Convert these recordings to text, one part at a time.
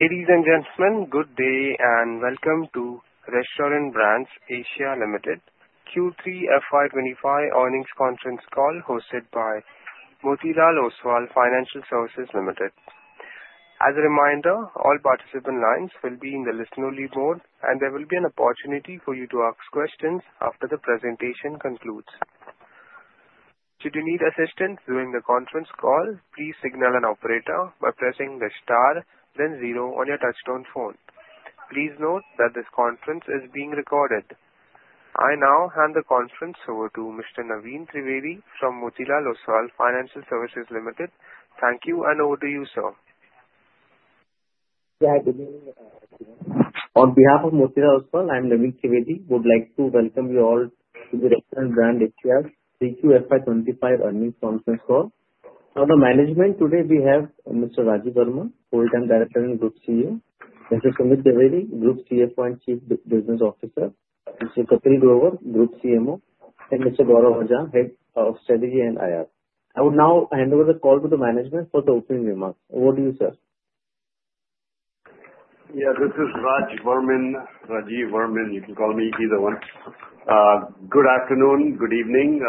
Ladies and gentlemen, good day and welcome to Restaurant Brands Asia Limited Q3 FY25 earnings conference call hosted by Motilal Oswal Financial Services Limited. As a reminder, all participant lines will be in the listen-only mode, and there will be an opportunity for you to ask questions after the presentation concludes. Should you need assistance during the conference call, please signal an operator by pressing the star, then zero on your touch-tone phone. Please note that this conference is being recorded. I now hand the conference over to Mr. Naveen Trivedi from Motilal Oswal Financial Services Limited. Thank you, and over to you, sir. Yeah, good evening. On behalf of Motilal Oswal, I'm Naveen Trivedi. I would like to welcome you all to the Restaurant Brands Asia Q3 FY25 earnings conference call. On the management, today we have Mr. Rajeev Varman, full-time Director and Group CEO, Mr. Sumit Zaveri, Group CFO and Chief Business Officer, Mr. Kapil Grover, Group CMO, and Mr. Gaurav Ajjan, Head of Strategy and IR. I would now hand over the call to the management for the opening remarks. Over to you, sir. Yeah, this is Raj Varman, Rajeev Varman. You can call me either one. Good afternoon, good evening.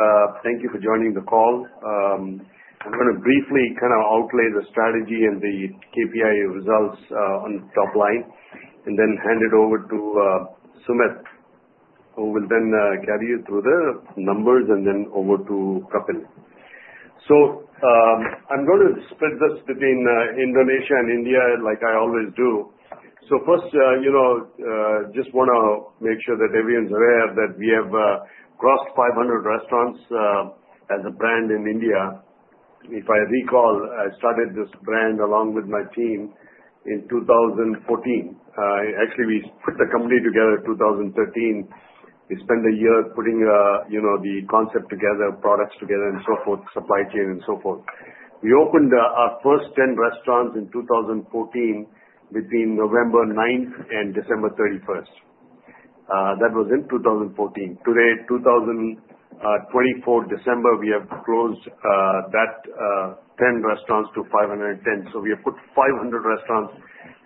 Thank you for joining the call. I'm going to briefly kind of outline the strategy and the KPI results on the top line, and then hand it over to Sumit, who will then carry you through the numbers and then over to Kapil. So I'm going to split this between Indonesia and India, like I always do. So first, just want to make sure that everyone's aware that we have crossed 500 restaurants as a brand in India. If I recall, I started this brand along with my team in 2014. Actually, we put the company together in 2013. We spent a year putting the concept together, products together, and so forth, supply chain and so forth. We opened our first 10 restaurants in 2014 between November 9th and December 31st. That was in 2014. Today, December 24, we have grown from 10 restaurants to 510. So we have added 500 restaurants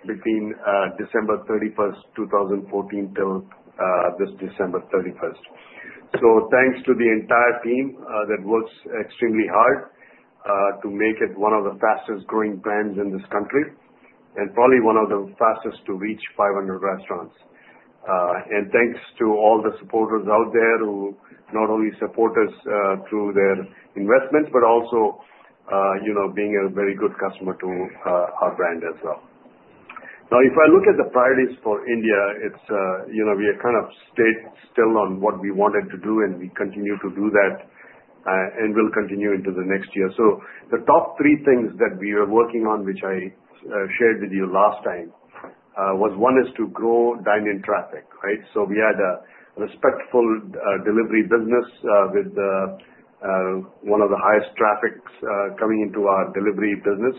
between December 31st, 2014, till this December 31st. So thanks to the entire team that works extremely hard to make it one of the fastest-growing brands in this country and probably one of the fastest to reach 500 restaurants. And thanks to all the supporters out there who not only support us through their investment but also being a very good customer to our brand as well. Now, if I look at the priorities for India, we have kind of stayed still on what we wanted to do, and we continue to do that and will continue into the next year. So the top three things that we were working on, which I shared with you last time, was one is to grow dine-in traffic, right? So we had a respectful delivery business with one of the highest traffics coming into our delivery business,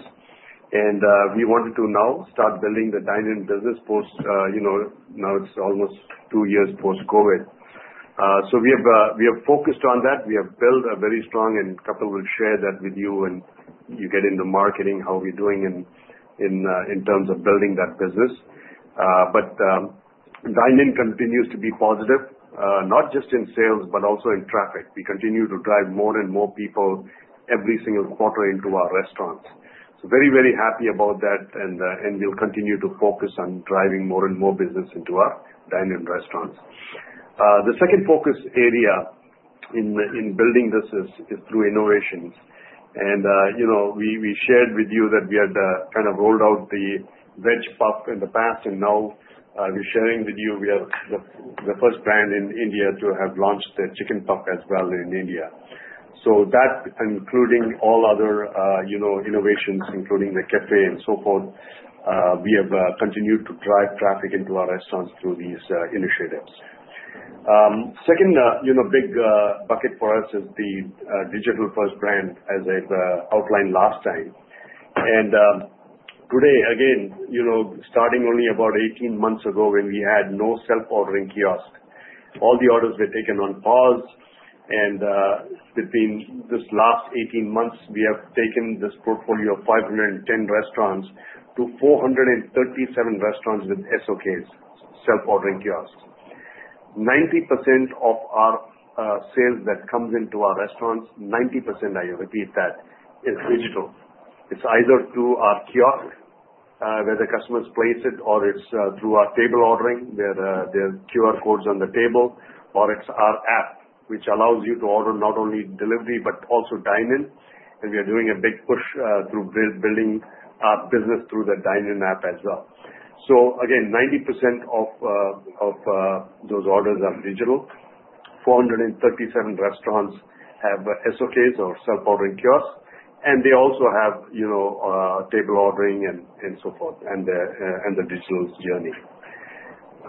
and we wanted to now start building the dine-in business post, now it's almost two years post-COVID, so we have focused on that. We have built a very strong, and Kapil will share that with you when you get into marketing, how we're doing in terms of building that business, but dine-in continues to be positive, not just in sales but also in traffic. We continue to drive more and more people every single quarter into our restaurants, so very, very happy about that, and we'll continue to focus on driving more and more business into our dine-in restaurants. The second focus area in building this is through innovations. We shared with you that we had kind of rolled out the Veg Puff in the past, and now we're sharing with you we are the first brand in India to have launched the Chicken Puff as well in India. That, including all other innovations, including the café and so forth, we have continued to drive traffic into our restaurants through these initiatives. Second big bucket for us is the digital-first brand, as I outlined last time. Today, again, starting only about 18 months ago when we had no self-ordering kiosk, all the orders were taken on POS. Within this last 18 months, we have taken this portfolio of 510 restaurants to 437 restaurants with SOKs, self-ordering kiosks. 90% of our sales that comes into our restaurants, 90%, I repeat that, is digital. It's either through our kiosk, where the customers place it, or it's through our table ordering, where there are QR codes on the table, or it's our app, which allows you to order not only delivery but also dine-in, and we are doing a big push through building our business through the dine-in app as well. So again, 90% of those orders are digital. 437 restaurants have SOKs or self-ordering kiosks, and they also have table ordering and so forth and the digital journey.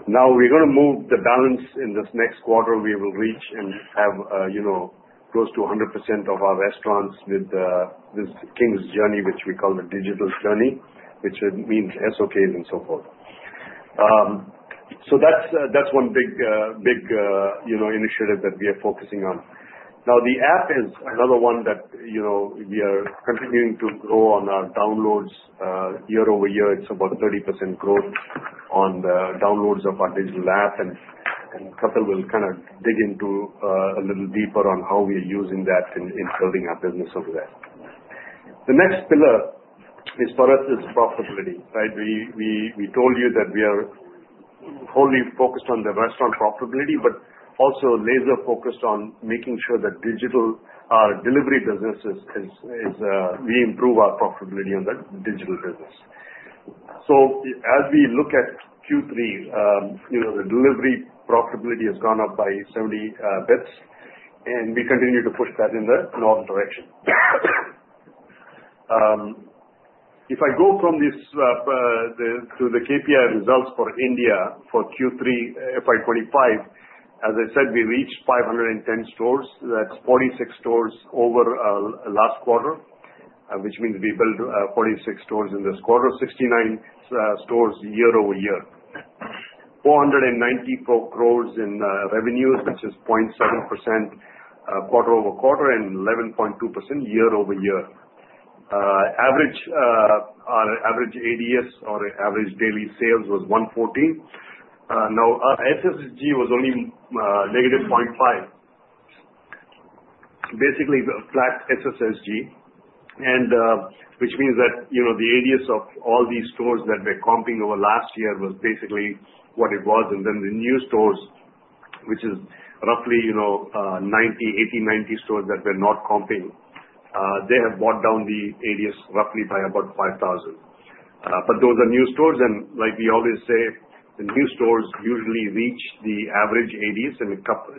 Now, we're going to move the balance in this next quarter. We will reach and have close to 100% of our restaurants with this King's Journey, which we call the digital journey, which means SOKs and so forth. So that's one big initiative that we are focusing on. Now, the app is another one that we are continuing to grow on our downloads year-over-year. It's about 30% growth on the downloads of our digital app, and Kapil will kind of dig a little deeper on how we are using that in building our business over there. The next pillar for us is profitability, right? We told you that we are wholly focused on the restaurant profitability but also laser-focused on making sure that digital delivery business, as we improve our profitability on the digital business. So as we look at Q3, the delivery profitability has gone up by 70 basis points, and we continue to push that in the North direction. If I go from this to the KPI results for India for Q3 FY25, as I said, we reached 510 stores. That's 46 stores over last quarter, which means we built 46 stores in this quarter, 69 stores year-over-year. 494 crores in revenues, which is 0.7% quarter over quarter and 11.2% year-over-year. Average ADS or average daily sales was 114. Now, our SSSG was only negative 0.5%, basically flat SSSG, which means that the ADS of all these stores that were comping over last year was basically what it was and then the new stores, which is roughly 80, 90 stores that were not comping, they have brought down the ADS roughly by about 5,000. But those are new stores and like we always say, the new stores usually reach the average ADS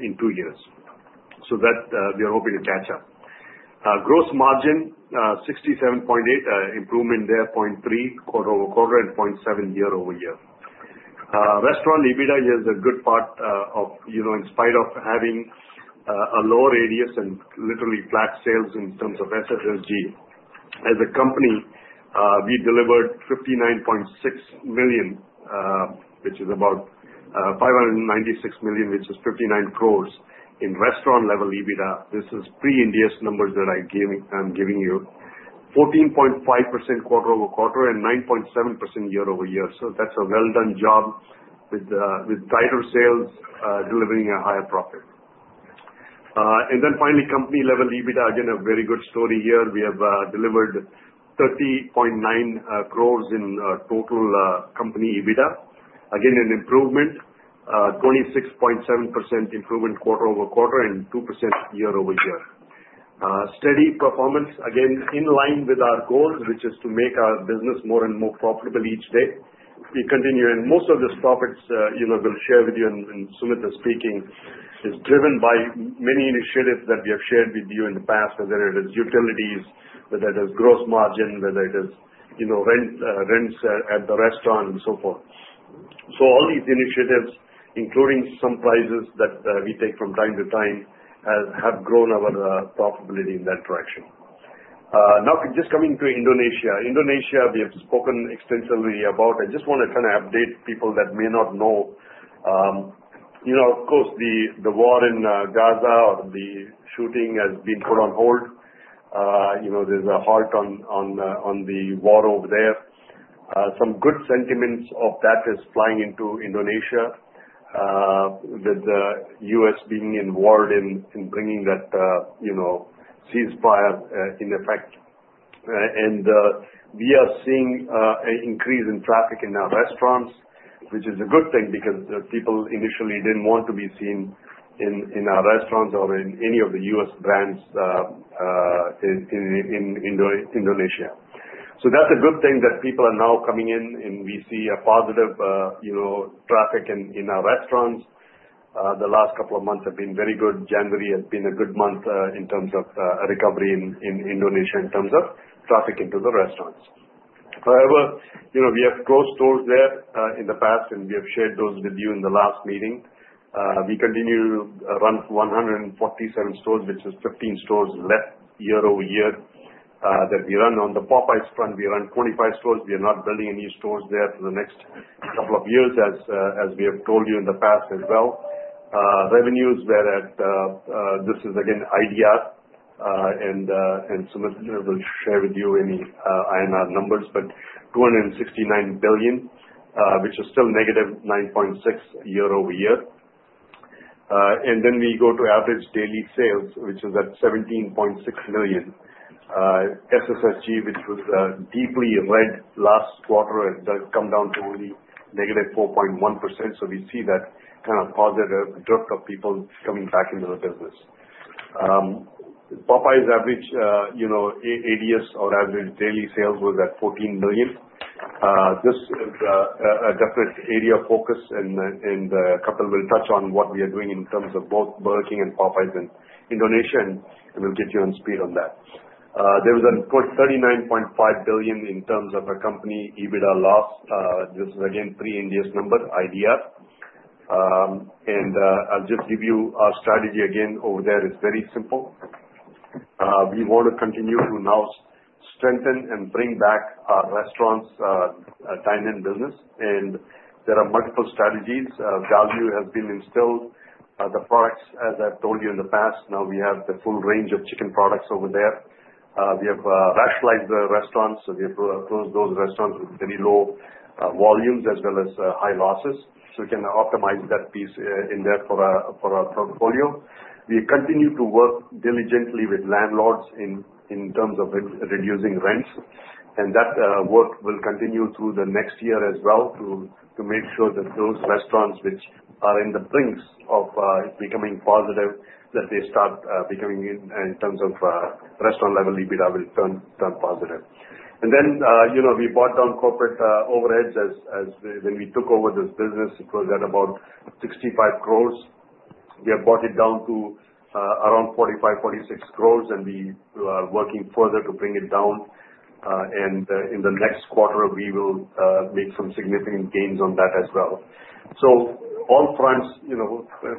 in two years so that we are hoping to catch up. Gross margin 67.8%, improvement there 0.3% quarter over quarter and 0.7% year-over-year. Restaurant EBITDA is a good part of, in spite of having a low ADS and literally flat sales in terms of SSSG, as a company, we delivered 59.6 million, which is about 596 million, which is 59 crores in restaurant-level EBITDA. This is pre-India numbers that I'm giving you: 14.5% quarter over quarter and 9.7% year-over-year. That's a well-done job with tighter sales delivering a higher profit. Then finally, company-level EBITDA, again, a very good story here. We have delivered 30.9 crores in total company EBITDA, again, an improvement, 26.7% improvement quarter over quarter and 2% year-over-year. Steady performance, again, in line with our goal, which is to make our business more and more profitable each day. We continue, and most of this profit we'll share with you and Sumit is speaking is driven by many initiatives that we have shared with you in the past, whether it is utilities, whether it is gross margin, whether it is rents at the restaurant, and so forth. So all these initiatives, including some prices that we take from time to time, have grown our profitability in that direction. Now, just coming to Indonesia. Indonesia, we have spoken extensively about. I just want to kind of update people that may not know. Of course, the war in Gaza or the shooting has been put on hold. There's a halt on the war over there. Some good sentiments of that is flying into Indonesia with the U.S. being involved in bringing that ceasefire in effect. We are seeing an increase in traffic in our restaurants, which is a good thing because people initially didn't want to be seen in our restaurants or in any of the U.S. brands in Indonesia. So that's a good thing that people are now coming in, and we see a positive traffic in our restaurants. The last couple of months have been very good. January has been a good month in terms of recovery in Indonesia in terms of traffic into the restaurants. However, we have closed stores there in the past, and we have shared those with you in the last meeting. We continue to run 147 stores, which is 15 stores left year-over year that we run. On the Popeyes front, we run 25 stores. We are not building any stores there for the next couple of years, as we have told you in the past as well. Revenues were at, this is again IDR, and Sumit will share with you any INR numbers, but 269 billion, which is still -9.6% year-over-year, and then we go to average daily sales, which is at 17.6 million. SSSG, which was deeply red last quarter, has come down to only -4.1%, we see that kind of positive drift of people coming back into the business. Popeyes average ADS or average daily sales was at 14 million. This is a definite area of focus, and Kapil will touch on what we are doing in terms of both Burger King and Popeyes in Indonesia, and we'll get you up to speed on that. There was a good 39.5 billion in terms of a company EBITDA loss. This is again pre-India number, IDR, and I'll just give you our strategy again over there. It's very simple. We want to continue to now strengthen and bring back our restaurants' dine-in business, and there are multiple strategies. Value has been instilled. The products, as I've told you in the past, now we have the full range of chicken products over there. We have rationalized the restaurants, so we have closed those restaurants with very low volumes as well as high losses. So we can optimize that piece in there for our portfolio. We continue to work diligently with landlords in terms of reducing rents, and that work will continue through the next year as well to make sure that those restaurants which are on the brink of becoming positive, that they start becoming in terms of restaurant-level EBITDA will turn positive. Then we brought down corporate overheads as when we took over this business. It was at about 65 crores. We have brought it down to around 45-46 crores, and we are working further to bring it down. In the next quarter, we will make some significant gains on that as well. On all fronts,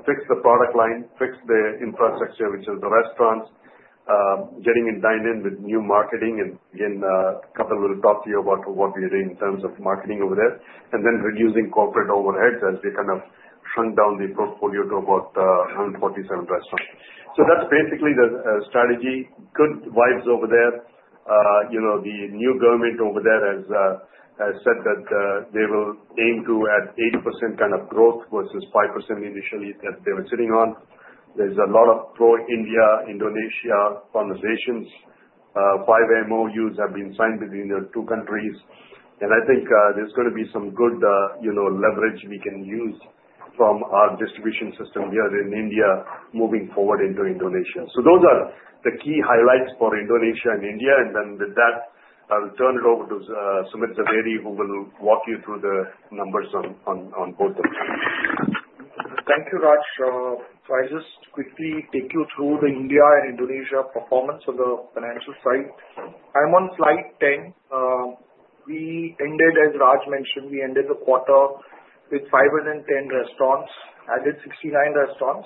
fix the product line, fix the infrastructure, which is the restaurants, getting in dine-in with new marketing. Again, Kapil will talk to you about what we are doing in terms of marketing over there. Then reducing corporate overheads as we kind of shrunk down the portfolio to about 147 restaurants. That's basically the strategy. Good vibes over there. The new government over there has said that they will aim to add 80% kind of growth versus 5% initially that they were sitting on. There's a lot of pro-India Indonesia conversations. Five MoUs have been signed between the two countries. And I think there's going to be some good leverage we can use from our distribution system here in India moving forward into Indonesia. So those are the key highlights for Indonesia and India. And then with that, I'll turn it over to Sumit Zaveri, who will walk you through the numbers on both of them. Thank you, Raj. I'll just quickly take you through the India and Indonesia performance on the financial side. I'm on slide 10. We ended, as Raj mentioned, we ended the quarter with 510 restaurants, added 69 restaurants.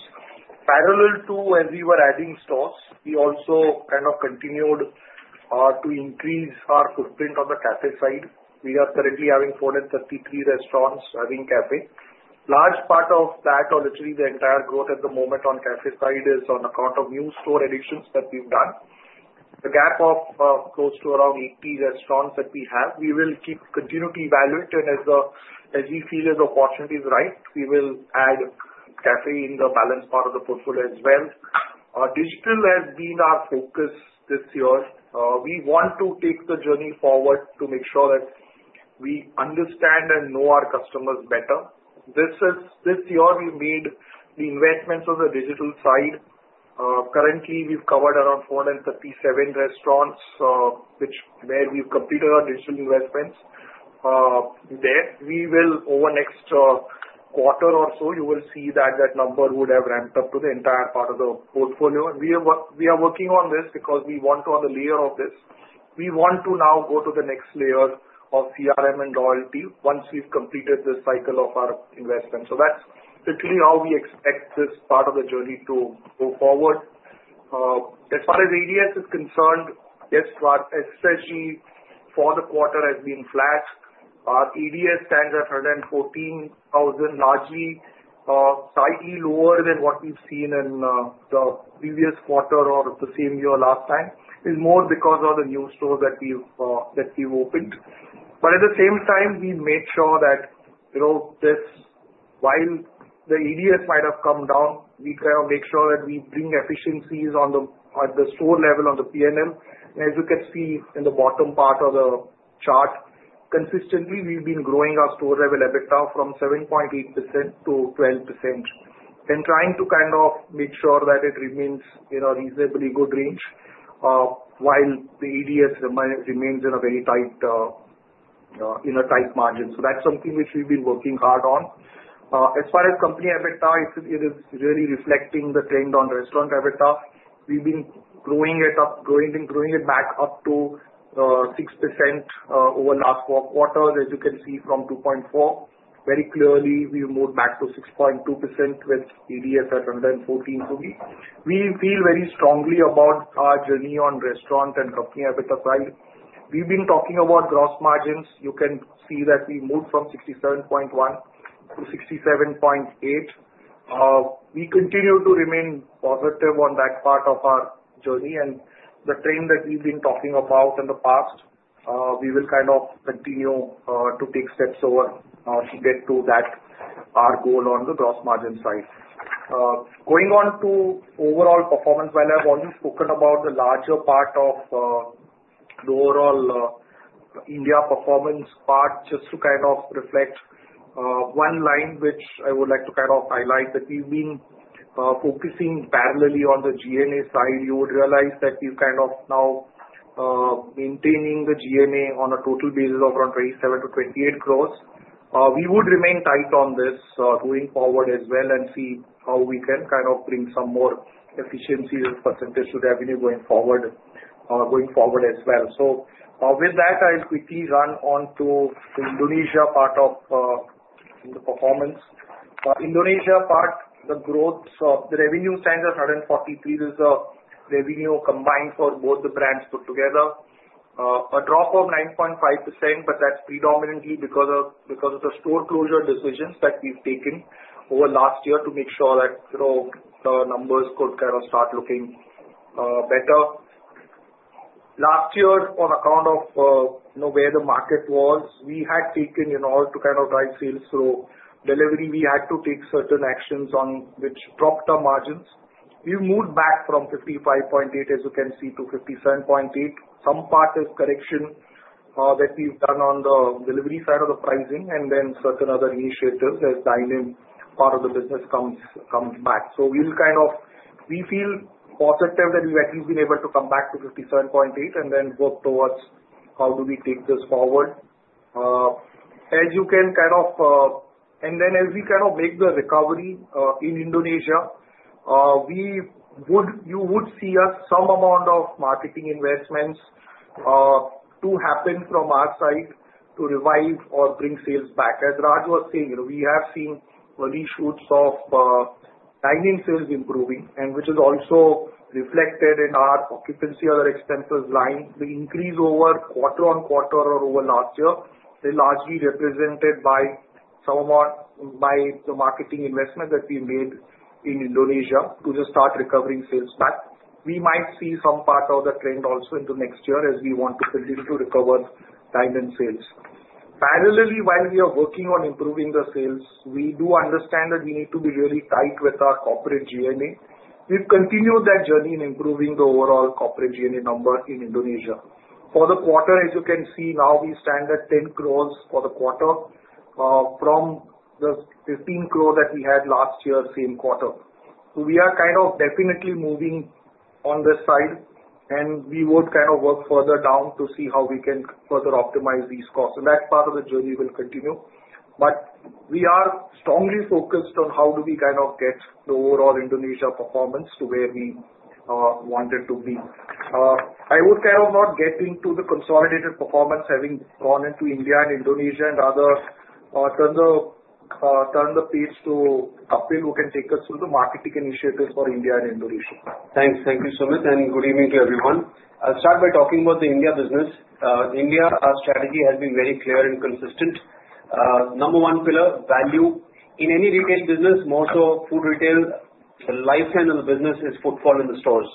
Parallel to as we were adding stores, we also kind of continued to increase our footprint on the café side. We are currently having 433 restaurants having café. Large part of that, or literally the entire growth at the moment on café side, is on account of new store additions that we've done. The gap of close to around 80 restaurants that we have, we will keep continually evaluating. As we see the opportunities arise, we will add café in the balance part of the portfolio as well. Digital has been our focus this year. We want to take the journey forward to make sure that we understand and know our customers better. This year, we made the investments on the digital side. Currently, we've covered around 437 restaurants where we've completed our digital investments. We will, over next quarter or so, you will see that that number would have ramped up to the entire part of the portfolio, and we are working on this because we want to, on the layer of this, we want to now go to the next layer of CRM and loyalty once we've completed this cycle of our investment, so that's literally how we expect this part of the journey to go forward. As far as ADS is concerned, yes, SSSG for the quarter has been flat. Our ADS stands at 114,000, largely slightly lower than what we've seen in the previous quarter or the same year last time. It's more because of the new stores that we've opened, but at the same time, we made sure that while the ADS might have come down, we kind of make sure that we bring efficiencies on the store level on the P&L, and as you can see in the bottom part of the chart, consistently, we've been growing our store level EBITDA now from 7.8% to 12% and trying to kind of make sure that it remains in a reasonably good range while the ADS remains in a very tight margin, so that's something which we've been working hard on. As far as Company EBITDA, it is really reflecting the trend on Restaurant EBITDA. We've been growing it up, growing it back up to 6% over last four quarters, as you can see from 2.4%. Very clearly, we moved back to 6.2% with ADS at 114. So we feel very strongly about our journey on restaurant and Company EBITDA side. We've been talking about gross margins. You can see that we moved from 67.1% to 67.8%. We continue to remain positive on that part of our journey. And the trend that we've been talking about in the past, we will kind of continue to take steps over to get to that, our goal on the gross margin side. Going on to overall performance, while I've already spoken about the larger part of the overall India performance part, just to kind of reflect one line which I would like to kind of highlight that we've been focusing parallelly on the G&A side. You would realize that we've kind of now maintaining the G&A on a total basis of around 27-28 crores. We would remain tight on this going forward as well and see how we can kind of bring some more efficiencies and percentage to revenue going forward as well. So with that, I'll quickly run on to the Indonesia part of the performance. Indonesia part, the growth, the revenue stands at 143. This is a revenue combined for both the brands put together, a drop of 9.5%, but that's predominantly because of the store closure decisions that we've taken over last year to make sure that the numbers could kind of start looking better. Last year, on account of where the market was, we had taken in order to kind of drive sales through delivery, we had to take certain actions on which dropped our margins. We moved back from 55.8%, as you can see, to 57.8%. Some part is correction that we've done on the delivery side of the pricing, and then certain other initiatives as dine-in part of the business comes back. So we feel positive that we've at least been able to come back to 57.8 and then work towards how do we take this forward. As you can kind of, and then as we kind of make the recovery in Indonesia, you would see some amount of marketing investments to happen from our side to revive or bring sales back. As Raj was saying, we have seen early shoots of dine-in sales improving, and which is also reflected in our occupancy or expenses line. The increase over quarter on quarter or over last year is largely represented by the marketing investment that we made in Indonesia to just start recovering sales back. We might see some part of the trend also into next year as we want to continue to recover dine-in sales. Parallelly, while we are working on improving the sales, we do understand that we need to be really tight with our corporate G&A. We've continued that journey in improving the overall corporate G&A number in Indonesia. For the quarter, as you can see now, we stand at 10 crores for the quarter from the 15 crores that we had last year, same quarter. So we are kind of definitely moving on this side, and we would kind of work further down to see how we can further optimize these costs, and that part of the journey will continue, but we are strongly focused on how do we kind of get the overall Indonesia performance to where we wanted to be. I would kind of not get into the consolidated performance, having gone into India and Indonesia, and rather turn the page to Kapil, who can take us through the marketing initiatives for India and Indonesia. Thanks. Thank you, Sumit. And good evening to everyone. I'll start by talking about the India business. India, our strategy has been very clear and consistent. Number one pillar, value. In any retail business, more so food retail, the lifetime of the business is footfall in the stores.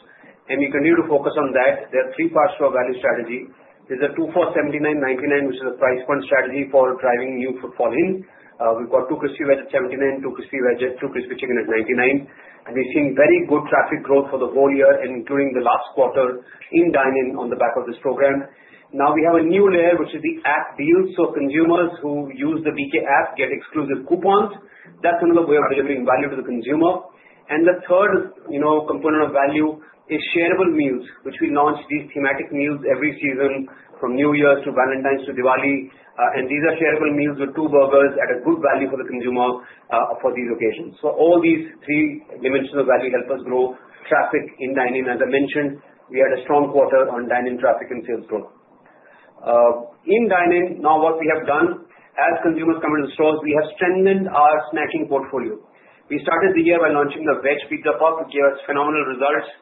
And we continue to focus on that. There are three parts to our value strategy. There's a two for 79, 99, which is a price point strategy for driving new footfall in. We've got two Crispy Veg at 79, two Crispy Veg, two Crispy Chicken at 99. And we've seen very good traffic growth for the whole year, including the last quarter in dine-in on the back of this program. Now we have a new layer, which is the app deals. So consumers who use the BK App get exclusive coupons. That's another way of delivering value to the consumer. The third component of value is shareable meals, which we launch these thematic meals every season from New Year's to Valentine's to Diwali. These are shareable meals with two burgers at a good value for the consumer for these occasions. All these three dimensions of value help us grow traffic in dine-in. As I mentioned, we had a strong quarter on dine-in traffic and sales growth. In dine-in, now what we have done as consumers come into the stores, we have strengthened our snacking portfolio. We started the year by launching the Veg Pizza Puff, which gave us phenomenal results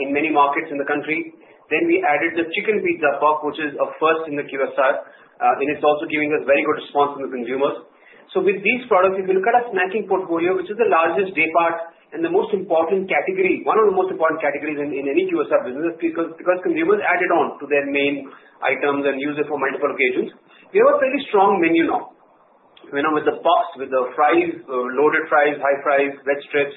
in many markets in the country. Then we added the Chicken Pizza Puff, which is a first in the QSR, and it's also giving us very good response from the consumers. So with these products, if you look at our snacking portfolio, which is the largest day part and the most important category, one of the most important categories in any QSR business, because consumers add it on to their main items and use it for multiple occasions, we have a pretty strong menu now with the puffs, with the fries, loaded fries, high fries, veg strips,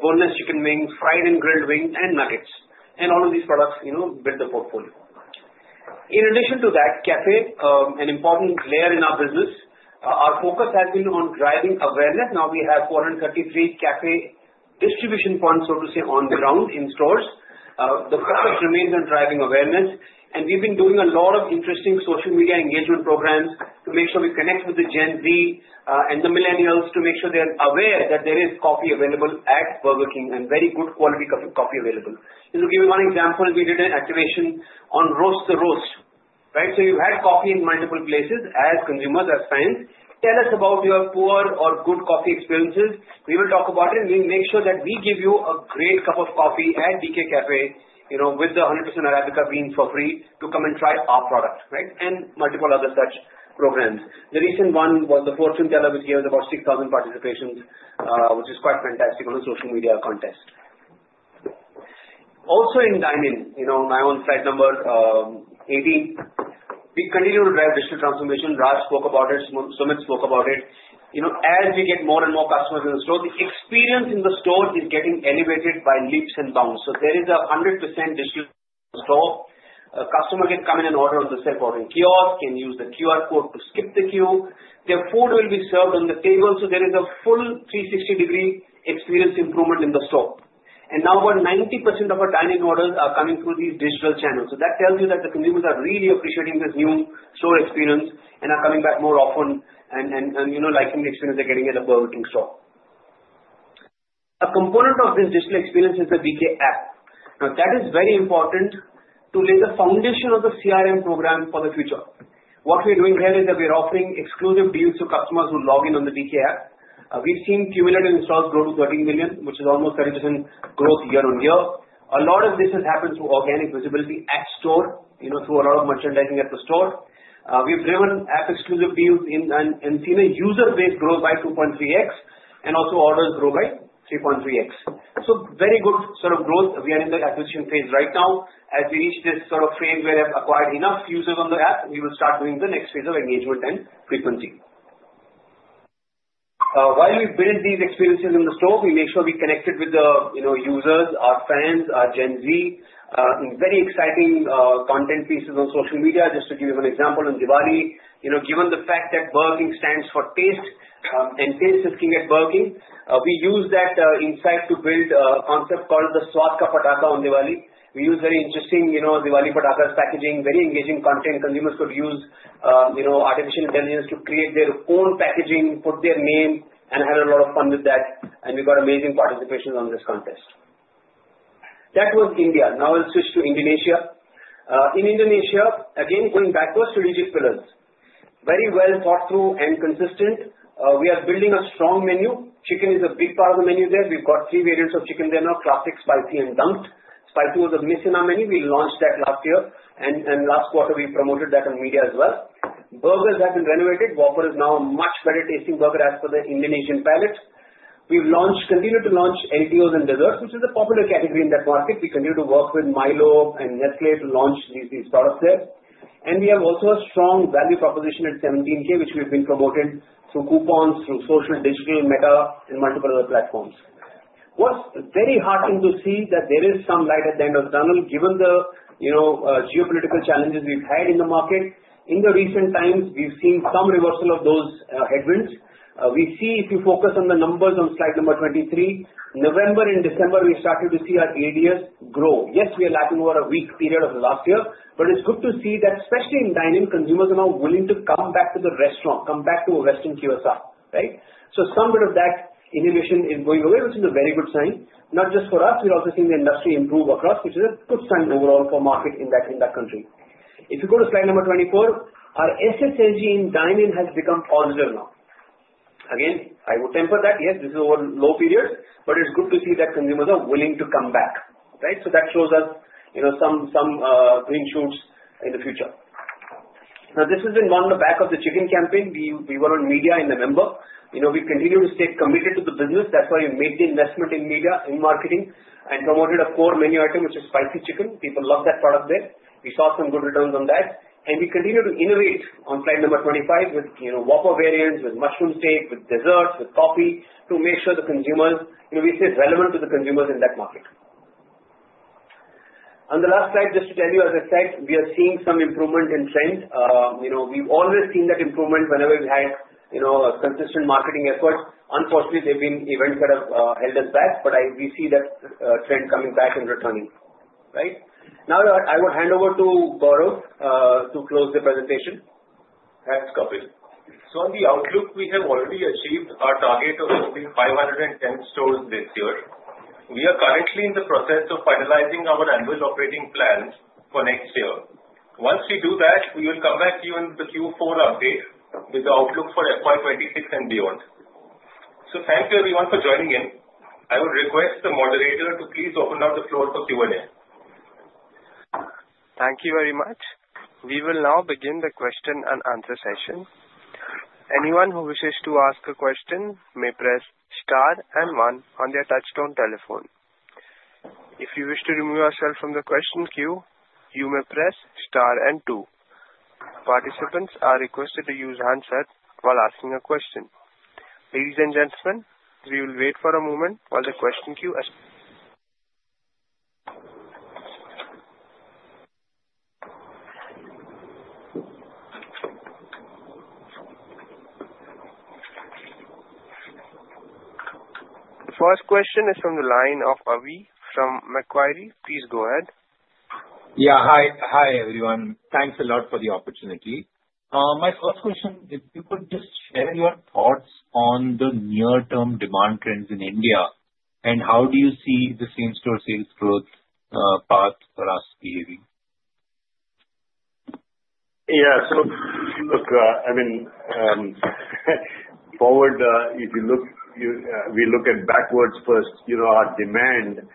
boneless chicken wings, fried and grilled wings, and nuggets. And all of these products build the portfolio. In addition to that, café, an important layer in our business, our focus has been on driving awareness. Now we have 433 café distribution points, so to say, on the ground in stores. The focus remains on driving awareness. And we've been doing a lot of interesting social media engagement programs to make sure we connect with the Gen Z and the millennials to make sure they're aware that there is coffee available at Burger King and very good quality coffee available. Just to give you one example, we did an activation on Roast the Roast. Right? So you've had coffee in multiple places as consumers, as fans. Tell us about your poor or good coffee experiences. We will talk about it, and we'll make sure that we give you a great cup of coffee at BK Café with the 100% Arabica beans for free to come and try our product, right, and multiple other such programs. The recent one was the Fortune Teller, which gave us about 6,000 participations, which is quite fantastic on a social media contest. Also in dine-in, on slide number 18, we continue to drive digital transformation. Raj spoke about it. Sumit spoke about it. As we get more and more customers in the store, the experience in the store is getting elevated by leaps and bounds, so there is a 100% digital store. Customers can come in and order on the self-ordering kiosk, can use the QR code to skip the queue. Their food will be served on the table, so there is a full 360-degree experience improvement in the store. And now about 90% of our dine-in orders are coming through these digital channels, so that tells you that the consumers are really appreciating this new store experience and are coming back more often and liking the experience they're getting at a Burger King store. A component of this digital experience is the BK app. Now, that is very important to lay the foundation of the CRM program for the future. What we're doing here is that we're offering exclusive deals to customers who log in on the BK app. We've seen cumulative installs grow to 13 million, which is almost 30% growth year-on-year. A lot of this has happened through organic visibility at store, through a lot of merchandising at the store. We've driven app-exclusive deals and seen a user-based growth by 2.3x, and also orders grow by 3.3x. So very good sort of growth. We are in the acquisition phase right now. As we reach this sort of phase where we have acquired enough users on the app, we will start doing the next phase of engagement and frequency. While we've built these experiences in the store, we make sure we connected with the users, our fans, our Gen Z in very exciting content pieces on social media. Just to give you an example, on Diwali, given the fact that Burger King stands for taste and taste is king at Burger King, we used that insight to build a concept called the Swad Ka Pataka on Diwali. We used very interesting Diwali Patakas packaging, very engaging content. Consumers could use artificial intelligence to create their own packaging, put their name, and had a lot of fun with that. And we got amazing participation on this contest. That was India. Now we'll switch to Indonesia. In Indonesia, again, going back to our strategic pillars, very well thought through and consistent. We are building a strong menu. Chicken is a big part of the menu there. We've got three variants of chicken there now: classic, spicy, and dunked. Spicy was a miss in our menu. We launched that last year. And last quarter, we promoted that on media as well. Burgers have been renovated. Whopper is now a much better tasting burger as per the Indonesian palate. We've continued to launch LTOs and desserts, which is a popular category in that market. We continue to work with Milo and Nestlé to launch these products there. And we have also a strong value proposition at 17K, which we've been promoting through coupons, through social, digital, Meta, and multiple other platforms. It was very heartening to see that there is some light at the end of the tunnel. Given the geopolitical challenges we've had in the market, in the recent times, we've seen some reversal of those headwinds. We see, if you focus on the numbers on slide number 23, November and December, we started to see our ADS grow. Yes, we are lagging over a week period of last year, but it's good to see that especially in dine-in, consumers are now willing to come back to the restaurant, come back to a Western QSR, right? So some bit of that innovation is going away, which is a very good sign. Not just for us, we're also seeing the industry improve across, which is a good sign overall for market in that country. If you go to slide number 24, our SSSG in dine-in has become positive now. Again, I would temper that. Yes, this is over low period, but it's good to see that consumers are willing to come back, right? So that shows us some green shoots in the future. Now, this has been one of the backbones of the Korean campaign. We were on media in November. We continue to stay committed to the business. That's why we made the investment in media, in marketing, and promoted a core menu item, which is Spicy Chicken. People love that product there. We saw some good returns on that. And we continue to innovate on slide number 25 with Whopper variants, with Mushroom Steak, with desserts, with coffee to make sure the consumers, we stay relevant to the consumers in that market. On the last slide, just to tell you, as I said, we are seeing some improvement in trend. We've always seen that improvement whenever we had consistent marketing efforts. Unfortunately, there have been events that have held us back, but we see that trend coming back and returning, right? Now, I would hand over to Gaurav to close the presentation. Thanks, Kapil. So on the outlook, we have already achieved our target of opening 510 stores this year. We are currently in the process of finalizing our annual operating plan for next year. Once we do that, we will come back to you in the Q4 update with the outlook for FY26 and beyond. So thank you, everyone, for joining in. I would request the moderator to please open up the floor for Q&A. Thank you very much. We will now begin the question and answer session. Anyone who wishes to ask a question may press star and one on their touch-tone telephone. If you wish to remove yourself from the question queue, you may press star and two. Participants are requested to use handset while asking a question. Ladies and gentlemen, we will wait for a moment while the question queue is... The first question is from the line of Avi from Macquarie. Please go ahead. Yeah, hi, everyone. Thanks a lot for the opportunity. My first question is, if you could just share your thoughts on the near-term demand trends in India, and how do you see the same-store sales growth path for us behaving? Yeah, so look, I mean, forward, if you look, we look at backwards first. Our demand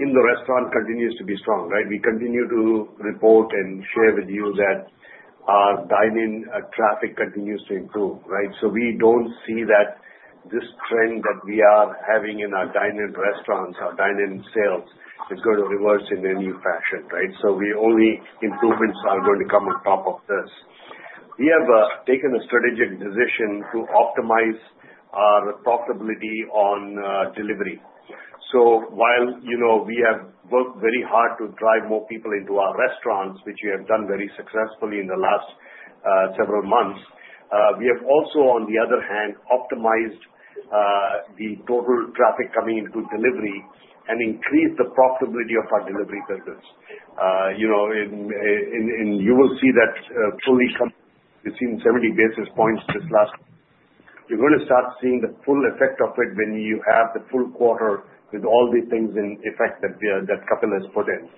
in the restaurant continues to be strong, right? We continue to report and share with you that our dine-in traffic continues to improve, right? So we don't see that this trend that we are having in our dine-in restaurants, our dine-in sales is going to reverse in any fashion, right? So we only improvements are going to come on top of this. We have taken a strategic decision to optimize our profitability on delivery. So while we have worked very hard to drive more people into our restaurants, which we have done very successfully in the last several months, we have also, on the other hand, optimized the total traffic coming into delivery and increased the profitability of our delivery business. And you will see that fully coming in 70 basis points this last. You're going to start seeing the full effect of it when you have the full quarter with all these things in effect that Kapil has put in,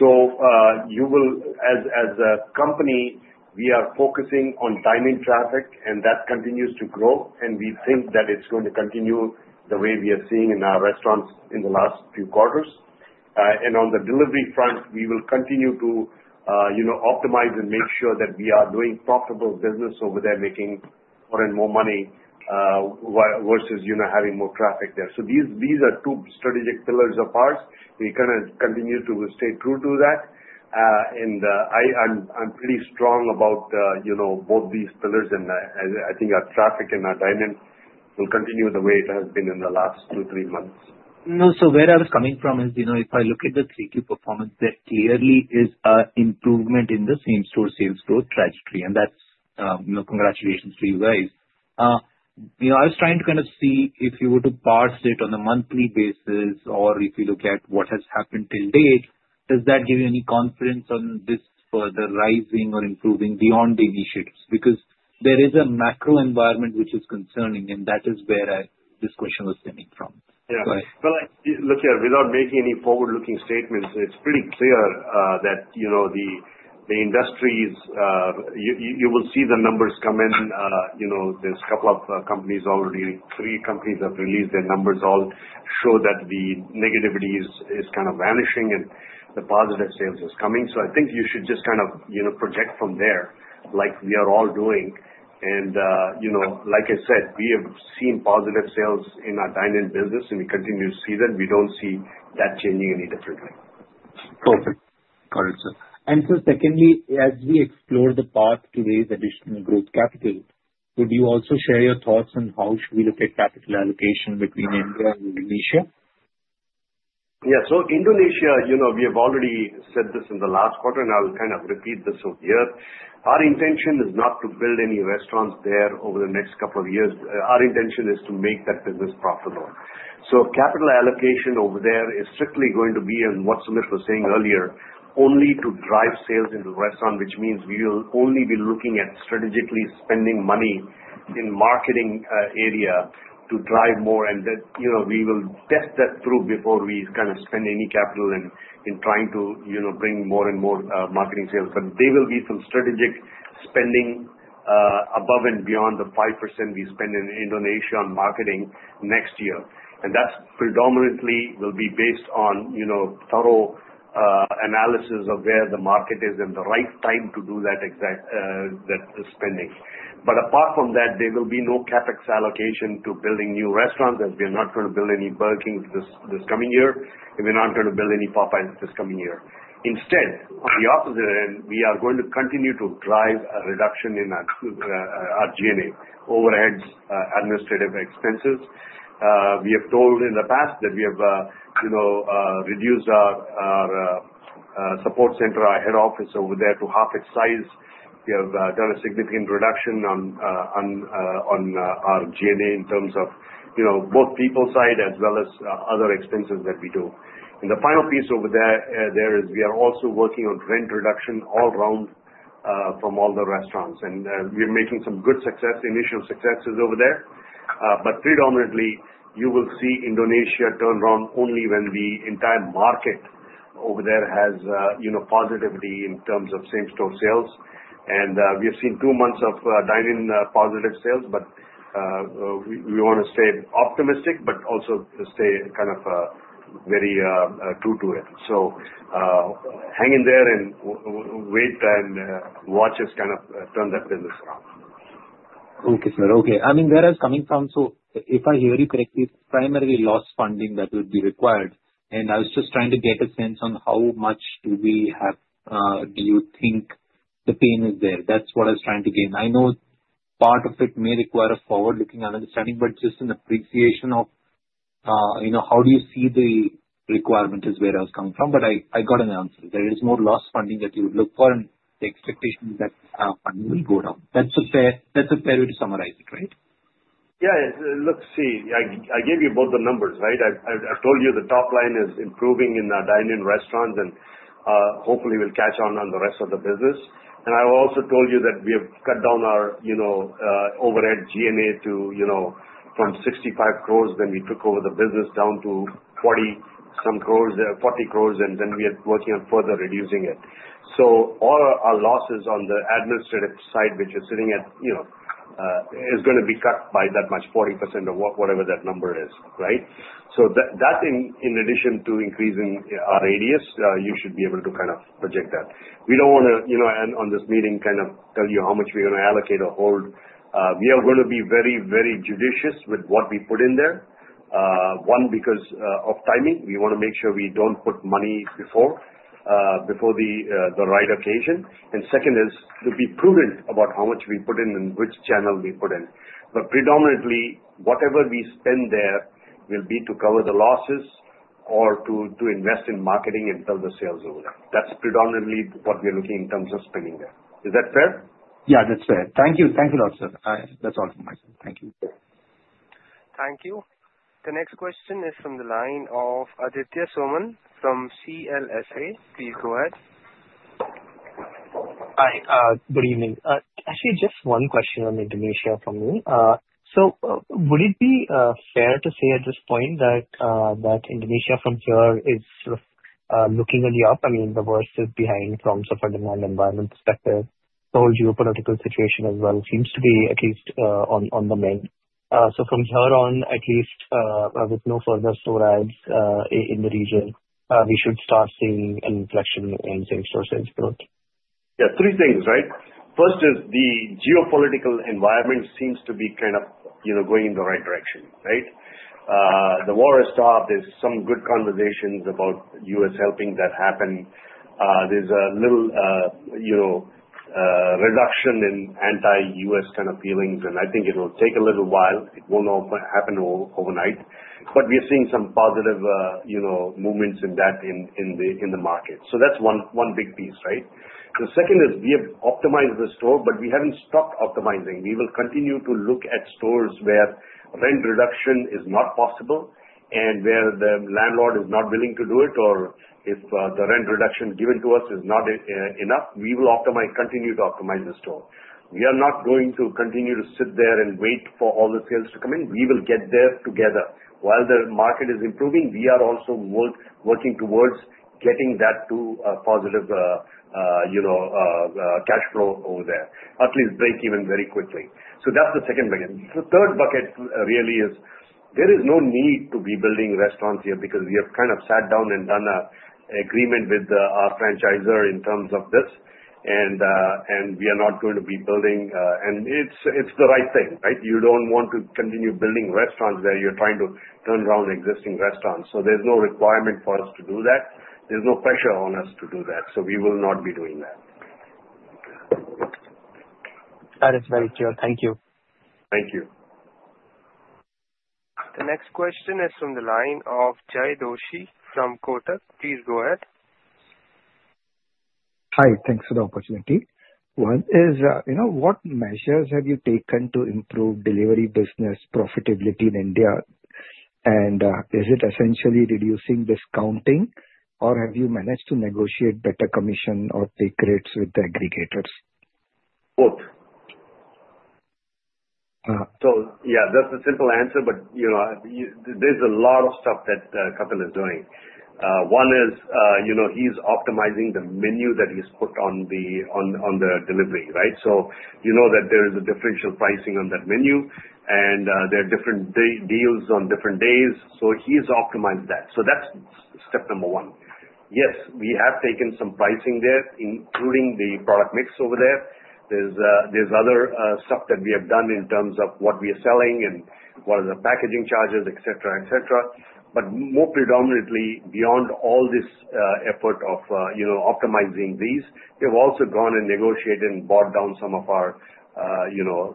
so as a company, we are focusing on dine-in traffic, and that continues to grow, and we think that it's going to continue the way we are seeing in our restaurants in the last few quarters, and on the delivery front, we will continue to optimize and make sure that we are doing profitable business over there, making more and more money versus having more traffic there, so these are two strategic pillars of ours. We're going to continue to stay true to that, and I'm pretty strong about both these pillars, and I think our traffic and our dine-in will continue the way it has been in the last two, three months. No, so where I was coming from is, if I look at the Q3 performance, there clearly is an improvement in the same-store sales growth trajectory, and that's congratulations to you guys. I was trying to kind of see if you were to parse it on a monthly basis or if you look at what has happened to date, does that give you any confidence on this further rising or improving beyond the initiatives? Because there is a macro environment which is concerning, and that is where this question was stemming from. Yeah, but look, without making any forward-looking statements, it's pretty clear that the industries, you will see the numbers come in. There's a couple of companies already. Three companies have released their numbers. All show that the negativity is kind of vanishing and the positive sales are coming. So I think you should just kind of project from there like we are all doing. And like I said, we have seen positive sales in our dine-in business, and we continue to see that. We don't see that changing any differently. Perfect. Got it, sir. And so secondly, as we explore the path to raise additional growth capital, would you also share your thoughts on how should we look at capital allocation between India and Indonesia? Yeah, so Indonesia, we have already said this in the last quarter, and I will kind of repeat this over here. Our intention is not to build any restaurants there over the next couple of years. Our intention is to make that business profitable. So capital allocation over there is strictly going to be, as what Sumit was saying earlier, only to drive sales into the restaurant, which means we will only be looking at strategically spending money in the marketing area to drive more. And we will test that through before we kind of spend any capital in trying to bring more and more marketing sales. But there will be some strategic spending above and beyond the 5% we spend in Indonesia on marketing next year. And that predominantly will be based on thorough analysis of where the market is and the right time to do that spending. But apart from that, there will be no CapEx allocation to building new restaurants as we are not going to build any Burger Kings this coming year, and we're not going to build any Popeyes this coming year. Instead, on the opposite end, we are going to continue to drive a reduction in our G&A, overheads, administrative expenses. We have told in the past that we have reduced our support center, our head office over there to half its size. We have done a significant reduction on our G&A in terms of both people side as well as other expenses that we do. And the final piece over there is we are also working on rent reduction all around from all the restaurants. And we're making some good success, initial successes over there. But predominantly, you will see Indonesia turn around only when the entire market over there has positivity in terms of same-store sales. And we have seen two months of dine-in positive sales, but we want to stay optimistic but also stay kind of very true to it. So hang in there and wait and watch us kind of turn that business around. Thank you, sir. Okay. I mean, where I was coming from, so if I hear you correctly, it's primarily lost funding that would be required, and I was just trying to get a sense on how much do we have. Do you think the pain is there? That's what I was trying to gain. I know part of it may require a forward-looking understanding, but just an appreciation of how do you see the requirement is where I was coming from, but I got an answer. There is more lost funding that you would look for, and the expectation is that funding will go down. That's a fair way to summarize it, right? Yeah, look, see, I gave you both the numbers, right? I've told you the top line is improving in our dine-in restaurants, and hopefully, we'll catch on on the rest of the business, and I also told you that we have cut down our overhead G&A from 65 crores when we took over the business down to 40-some crores, 40 crores, and then we are working on further reducing it. So all our losses on the administrative side, which is sitting at, is going to be cut by that much, 40% of whatever that number is, right? So that, in addition to increasing our radius, you should be able to kind of project that. We don't want to end on this meeting kind of tell you how much we're going to allocate or hold. We are going to be very, very judicious with what we put in there. One, because of timing, we want to make sure we don't put money before the right occasion. And second is to be prudent about how much we put in and which channel we put in. But predominantly, whatever we spend there will be to cover the losses or to invest in marketing and build the sales over there. That's predominantly what we are looking in terms of spending there. Is that fair? Yeah, that's fair. Thank you. Thank you a lot, sir. That's all from my side. Thank you. Thank you. The next question is from the line of Aditya Soman from CLSA. Please go ahead. Hi, good evening. Actually, just one question on Indonesia from me. So would it be fair to say at this point that Indonesia from here is sort of looking on the up? I mean, the worst is behind from a demand environment perspective. The whole geopolitical situation as well seems to be at least on the mend. So from here on, at least with no further store adds in the region, we should start seeing an inflection in same-store sales growth. Yeah, three things, right? First is the geopolitical environment seems to be kind of going in the right direction, right? The war has stopped. There's some good conversations about the U.S. helping that happen. There's a little reduction in anti-U.S. kind of feelings, and I think it will take a little while. It won't all happen overnight, but we are seeing some positive movements in that in the market. So that's one big piece, right? The second is we have optimized the store, but we haven't stopped optimizing. We will continue to look at stores where rent reduction is not possible and where the landlord is not willing to do it, or if the rent reduction given to us is not enough, we will continue to optimize the store. We are not going to continue to sit there and wait for all the sales to come in. We will get there together. While the market is improving, we are also working towards getting that to a positive cash flow over there, at least break even very quickly. So that's the second bucket. The third bucket really is there is no need to be building restaurants here because we have kind of sat down and done an agreement with our franchisor in terms of this, and we are not going to be building. And it's the right thing, right? You don't want to continue building restaurants where you're trying to turn around existing restaurants. So there's no requirement for us to do that. There's no pressure on us to do that. So we will not be doing that. That is very true. Thank you. Thank you. The next question is from the line of Jay Doshi from Kotak. Please go ahead. Hi, thanks for the opportunity. One is what measures have you taken to improve delivery business profitability in India? And is it essentially reducing discounting, or have you managed to negotiate better commission or take rates with the aggregators? Both. So yeah, that's a simple answer, but there's a lot of stuff that Kapil is doing. One is he's optimizing the menu that he's put on the delivery, right? So you know that there is a differential pricing on that menu, and there are different deals on different days. So he's optimized that. So that's step number one. Yes, we have taken some pricing there, including the product mix over there. There's other stuff that we have done in terms of what we are selling and what are the packaging charges, etc., etc. But more predominantly, beyond all this effort of optimizing these, we have also gone and negotiated and bought down some of our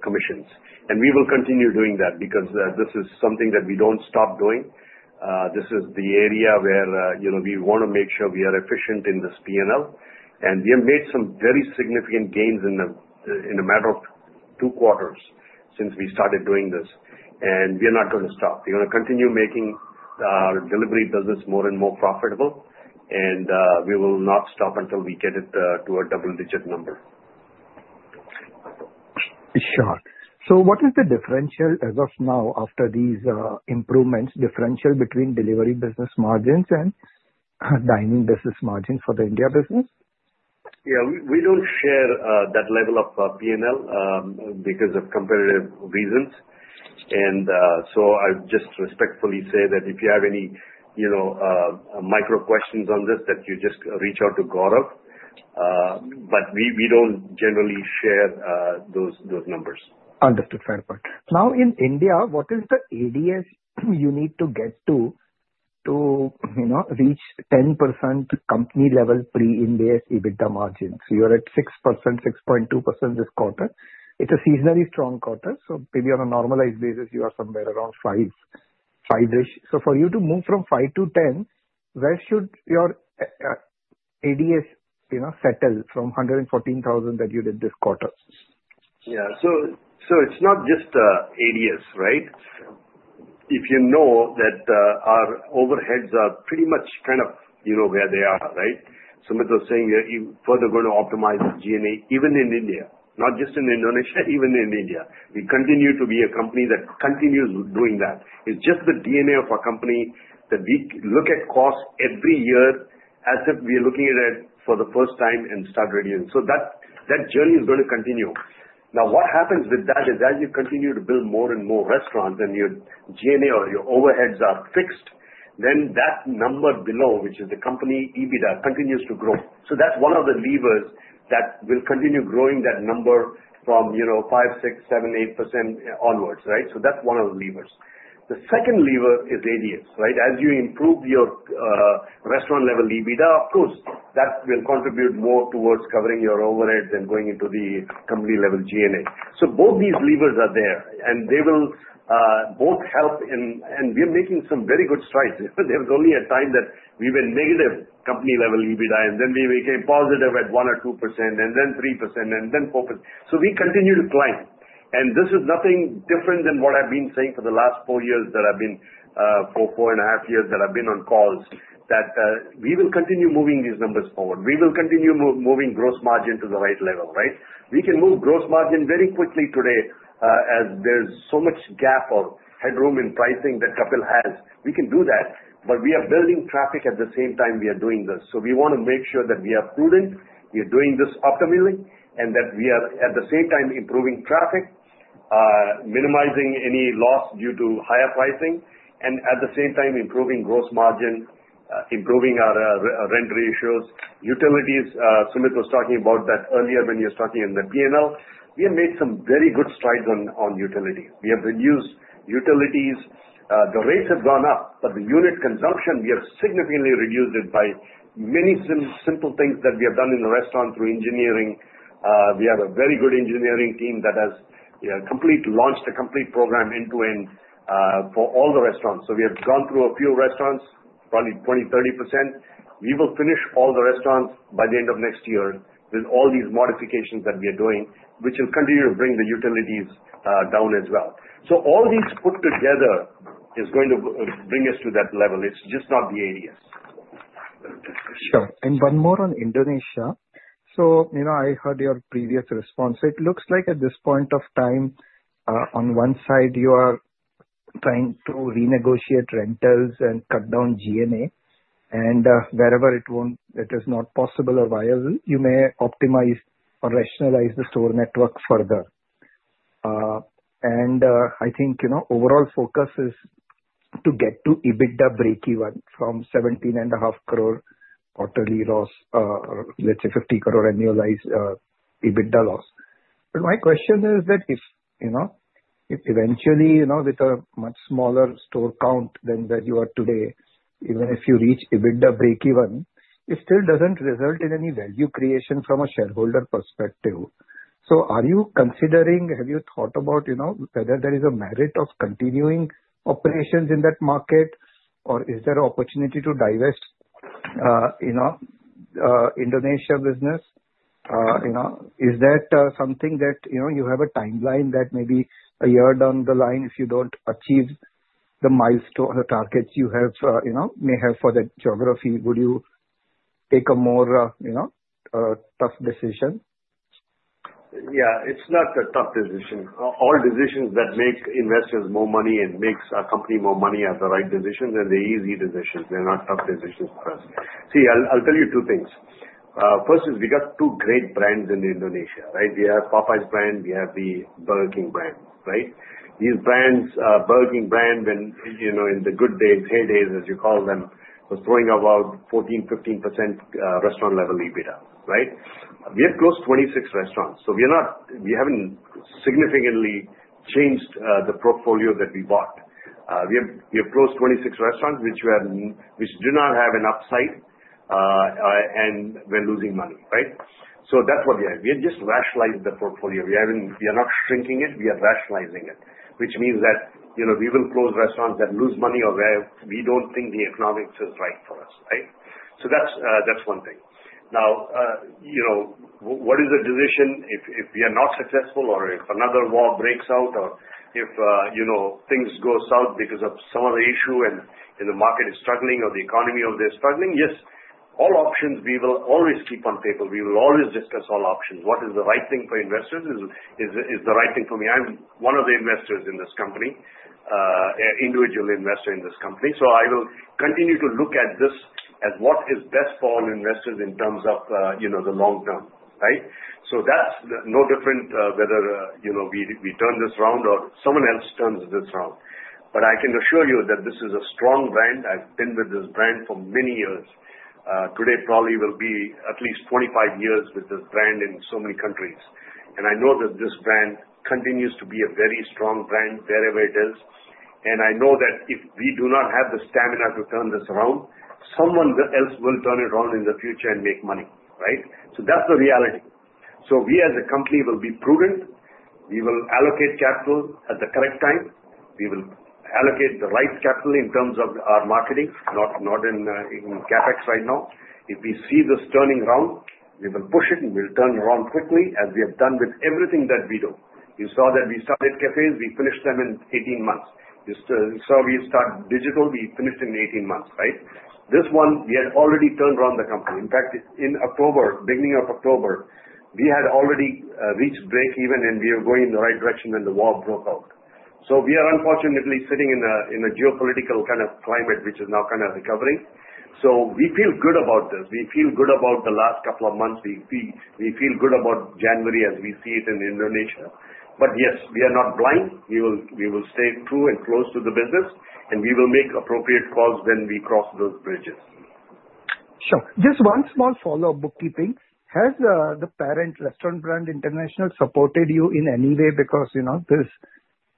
commissions. And we will continue doing that because this is something that we don't stop doing. This is the area where we want to make sure we are efficient in this P&L. We have made some very significant gains in a matter of two quarters since we started doing this. We are not going to stop. We're going to continue making our delivery business more and more profitable, and we will not stop until we get it to a double-digit number. Sure. So what is the differential as of now after these improvements, differential between delivery business margins and dine-in business margins for the India business? Yeah, we don't share that level of P&L because of competitive reasons. And so I just respectfully say that if you have any micro questions on this, that you just reach out to Gaurav. But we don't generally share those numbers. Understood. Fair point. Now, in India, what is the ADS you need to get to to reach 10% company-level pre-India EBITDA margin? So you're at 6%, 6.2% this quarter. It's a seasonally strong quarter. So maybe on a normalized basis, you are somewhere around five-ish. So for you to move from five to 10, where should your ADS settle from 114,000 that you did this quarter? Yeah. So it's not just ADS, right? If you know that our overheads are pretty much kind of where they are, right? Sumit was saying we're further going to optimize G&A even in India, not just in Indonesia, even in India. We continue to be a company that continues doing that. It's just the DNA of our company that we look at cost every year as if we are looking at it for the first time and start reducing. So that journey is going to continue. Now, what happens with that is as you continue to build more and more restaurants and your G&A or your overheads are fixed, then that number below, which is the Company EBITDA, continues to grow. So that's one of the levers that will continue growing that number from 5, 6, 7, 8% onwards, right? So that's one of the levers. The second lever is ADS, right? As you improve your restaurant-level EBITDA, of course, that will contribute more towards covering your overhead than going into the company-level G&A. So both these levers are there, and they will both help in, and we are making some very good strides. There was only a time that we were negative company-level EBITDA, and then we became positive at 1 or 2%, and then 3%, and then 4%. So we continue to climb, and this is nothing different than what I've been saying for the last four years that I've been, for four and a half years that I've been on calls, that we will continue moving these numbers forward. We will continue moving gross margin to the right level, right? We can move gross margin very quickly today as there's so much gap or headroom in pricing that Kapil has. We can do that, but we are building traffic at the same time we are doing this. So we want to make sure that we are prudent, we are doing this optimally, and that we are at the same time improving traffic, minimizing any loss due to higher pricing, and at the same time improving gross margin, improving our rent ratios. Utilities, Sumit was talking about that earlier when he was talking in the P&L. We have made some very good strides on utilities. We have reduced utilities. The rates have gone up, but the unit consumption, we have significantly reduced it by many simple things that we have done in the restaurant through engineering. We have a very good engineering team that has completely launched a complete program end-to-end for all the restaurants. So we have gone through a few restaurants, probably 20%-30%. We will finish all the restaurants by the end of next year with all these modifications that we are doing, which will continue to bring the utilities down as well. So all these put together is going to bring us to that level. It's just not the ADS. Sure. And one more on Indonesia. So I heard your previous response. It looks like at this point of time, on one side, you are trying to renegotiate rentals and cut down G&A. And wherever it is not possible or viable, you may optimize or rationalize the store network further. And I think overall focus is to get to EBITDA break-even from 17.5 crore quarterly loss, let's say 50 crore annualized EBITDA loss. But my question is that if eventually with a much smaller store count than where you are today, even if you reach EBITDA break-even, it still doesn't result in any value creation from a shareholder perspective. So are you considering, have you thought about whether there is a merit of continuing operations in that market, or is there an opportunity to divest Indonesia business? Is that something that you have a timeline that maybe a year down the line, if you don't achieve the milestone or targets you may have for that geography, would you take a more tough decision? Yeah, it's not a tough decision. All decisions that make investors more money and make our company more money are the right decisions, and they're easy decisions. They're not tough decisions for us. See, I'll tell you two things. First is we got two great brands in Indonesia, right? We have Popeyes brand, we have the Burger King brand, right? These brands, Burger King brand in the good days, heyday, as you call them, was throwing about 14%-15% restaurant-level EBITDA, right? We have close to 26 restaurants. So we haven't significantly changed the portfolio that we bought. We have close to 26 restaurants which do not have an upside, and we're losing money, right? So that's what we have. We have just rationalized the portfolio. We are not shrinking it. We are rationalizing it, which means that we will close restaurants that lose money or where we don't think the economics is right for us, right? So that's one thing. Now, what is the decision if we are not successful or if another war breaks out or if things go South because of some other issue and the market is struggling or the economy over there is struggling? Yes, all options we will always keep on table. We will always discuss all options. What is the right thing for investors is the right thing for me. I'm one of the investors in this company, individual investor in this company. So I will continue to look at this as what is best for all investors in terms of the long term, right? So that's no different whether we turn this round or someone else turns this round. But I can assure you that this is a strong brand. I've been with this brand for many years. Today probably will be at least 25 years with this brand in so many countries. And I know that this brand continues to be a very strong brand wherever it is. And I know that if we do not have the stamina to turn this around, someone else will turn it around in the future and make money, right? So that's the reality. So we as a company will be prudent. We will allocate capital at the correct time. We will allocate the right capital in terms of our marketing, not in CapEx right now. If we see this turning around, we will push it and we'll turn around quickly as we have done with everything that we do. You saw that we started cafes, we finished them in 18 months. You saw we started digital, we finished in 18 months, right? This one, we had already turned around the company. In fact, in October, beginning of October, we had already reached break even and we were going in the right direction when the war broke out. So we are unfortunately sitting in a geopolitical kind of climate which is now kind of recovering. So we feel good about this. We feel good about the last couple of months. We feel good about January as we see it in Indonesia. But yes, we are not blind. We will stay true and close to the business, and we will make appropriate calls when we cross those bridges. Sure. Just one small follow-up bookkeeping. Has the parent Restaurant Brands International supported you in any way because this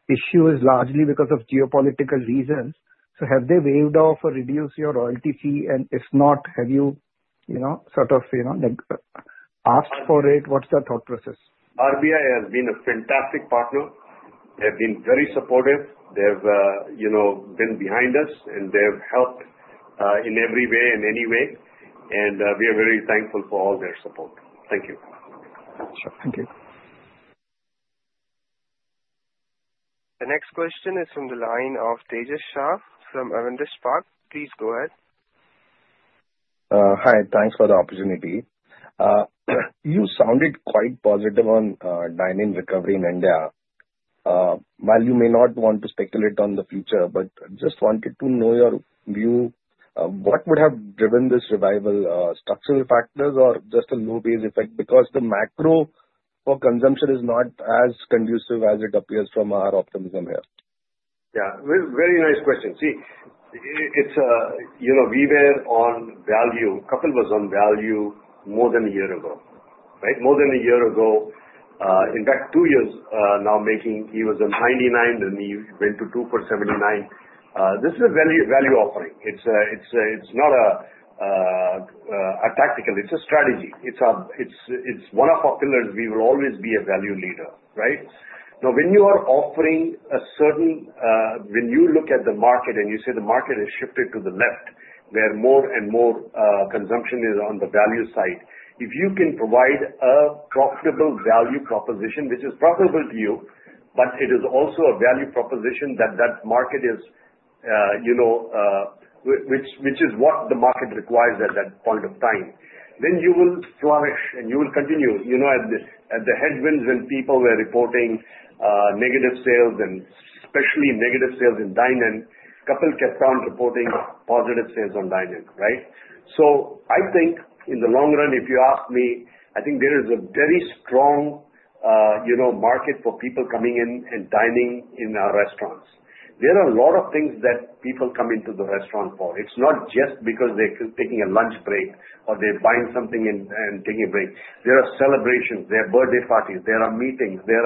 issue is largely because of geopolitical reasons? So have they waived off or reduced your royalty fee? And if not, have you sort of asked for it? What's the thought process? RBI has been a fantastic partner. They have been very supportive. They have been behind us, and they have helped in every way and any way, and we are very thankful for all their support. Thank you. Sure. Thank you. The next question is from the line of Tejas Shah from Avendus Spark. Please go ahead. Hi. Thanks for the opportunity. You sounded quite positive on dine-in recovery in India. While you may not want to speculate on the future, but just wanted to know your view, what would have driven this revival? Structural factors or just a low base effect? Because the macro for consumption is not as conducive as it appears from our optimism here. Yeah. Very nice question. See, it's we were on value. Kapil was on value more than a year ago, right? More than a year ago. In fact, two years now making he was at 99, and he went to 2 for 79. This is a value offering. It's not a tactical. It's a strategy. It's one of our pillars. We will always be a value leader, right? Now, when you are offering a certain when you look at the market and you say the market has shifted to the left where more and more consumption is on the value side, if you can provide a profitable value proposition which is profitable to you, but it is also a value proposition that that market is which is what the market requires at that point of time, then you will flourish and you will continue. At the headwinds when people were reporting negative sales and especially negative sales in dine-in, Kapil kept on reporting positive sales on dine-in, right? So I think in the long run, if you ask me, I think there is a very strong market for people coming in and dining in our restaurants. There are a lot of things that people come into the restaurant for. It's not just because they're taking a lunch break or they're buying something and taking a break. There are celebrations, there are birthday parties, there are meetings. There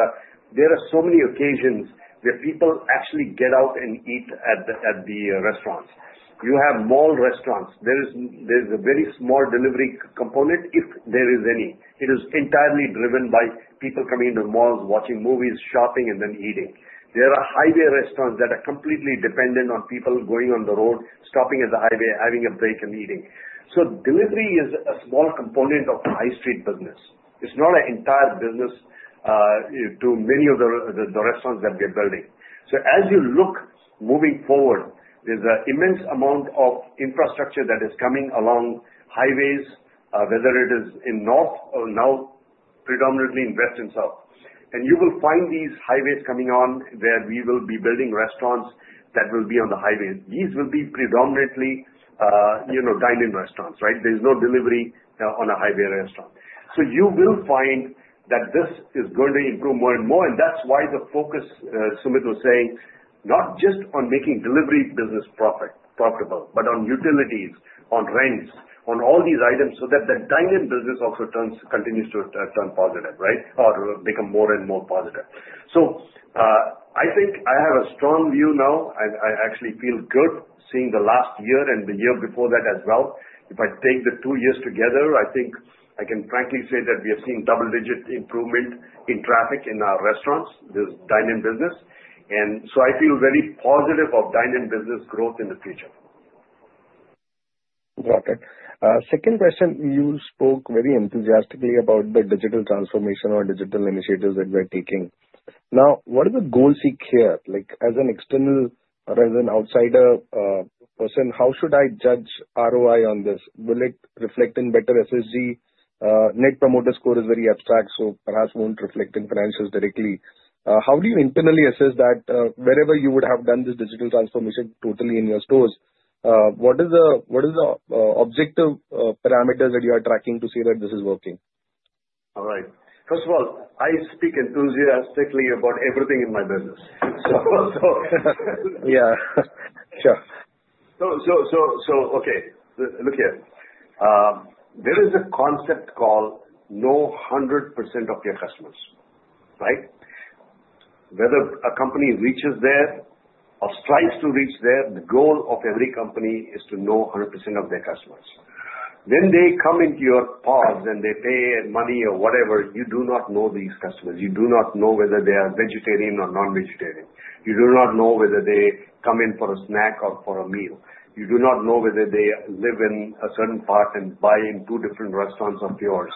are so many occasions where people actually get out and eat at the restaurants. You have mall restaurants. There is a very small delivery component if there is any. It is entirely driven by people coming into malls, watching movies, shopping, and then eating. There are highway restaurants that are completely dependent on people going on the road, stopping at the highway, having a break, and eating, so delivery is a small component of the high street business. It's not an entire business to many of the restaurants that we are building, so as you look moving forward, there's an immense amount of infrastructure that is coming along highways, whether it is in North or now predominantly in West and South, and you will find these highways coming on where we will be building restaurants that will be on the highways. These will be predominantly dine-in restaurants, right? There is no delivery on a highway restaurant, so you will find that this is going to improve more and more. And that's why the focus, Sumit was saying, not just on making delivery business profitable, but on utilities, on rents, on all these items so that the dine-in business also continues to turn positive, right? Or become more and more positive. So I think I have a strong view now. I actually feel good seeing the last year and the year before that as well. If I take the two years together, I think I can frankly say that we have seen double-digit improvement in traffic in our restaurants, this dine-in business. And so I feel very positive of dine-in business growth in the future. Got it. Second question, you spoke very enthusiastically about the digital transformation or digital initiatives that we are taking. Now, what are the goals we seek here? As an external or as an outsider person, how should I judge ROI on this? Will it reflect in better SSG? Net Promoter Score is very abstract, so perhaps won't reflect in financials directly. How do you internally assess that? Wherever you would have done this digital transformation totally in your stores, what is the objective parameters that you are tracking to see that this is working? All right. First of all, I speak enthusiastically about everything in my business. Yeah. Sure. Okay, look here. There is a concept called know 100% of your customers, right? Whether a company reaches there or strives to reach there, the goal of every company is to know 100% of their customers. When they come into your POS and they pay money or whatever, you do not know these customers. You do not know whether they are vegetarian or non-vegetarian. You do not know whether they come in for a snack or for a meal. You do not know whether they live in a certain part and buy in two different restaurants of yours.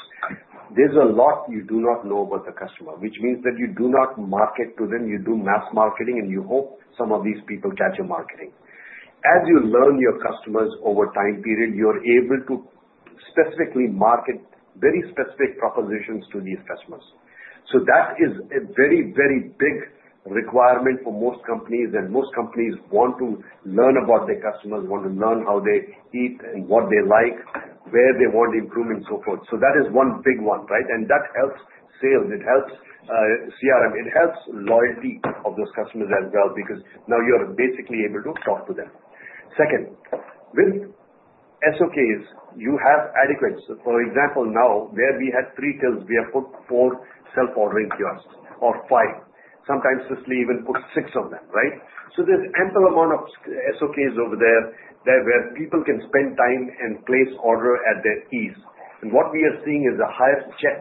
There's a lot you do not know about the customer, which means that you do not market to them. You do mass marketing, and you hope some of these people catch your marketing. As you learn your customers over time period, you are able to specifically market very specific propositions to these customers. So that is a very, very big requirement for most companies, and most companies want to learn about their customers, want to learn how they eat and what they like, where they want improvement, and so forth. So that is one big one, right? And that helps sales. It helps CRM. It helps loyalty of those customers as well because now you're basically able to talk to them. Second, with SOKs, you have adequate. For example, now where we had three tills, we have put four self-ordering kiosks or five. Sometimes we'll even put six of them, right? So there's ample amount of SOKs over there where people can spend time and place order at their ease. What we are seeing is a higher check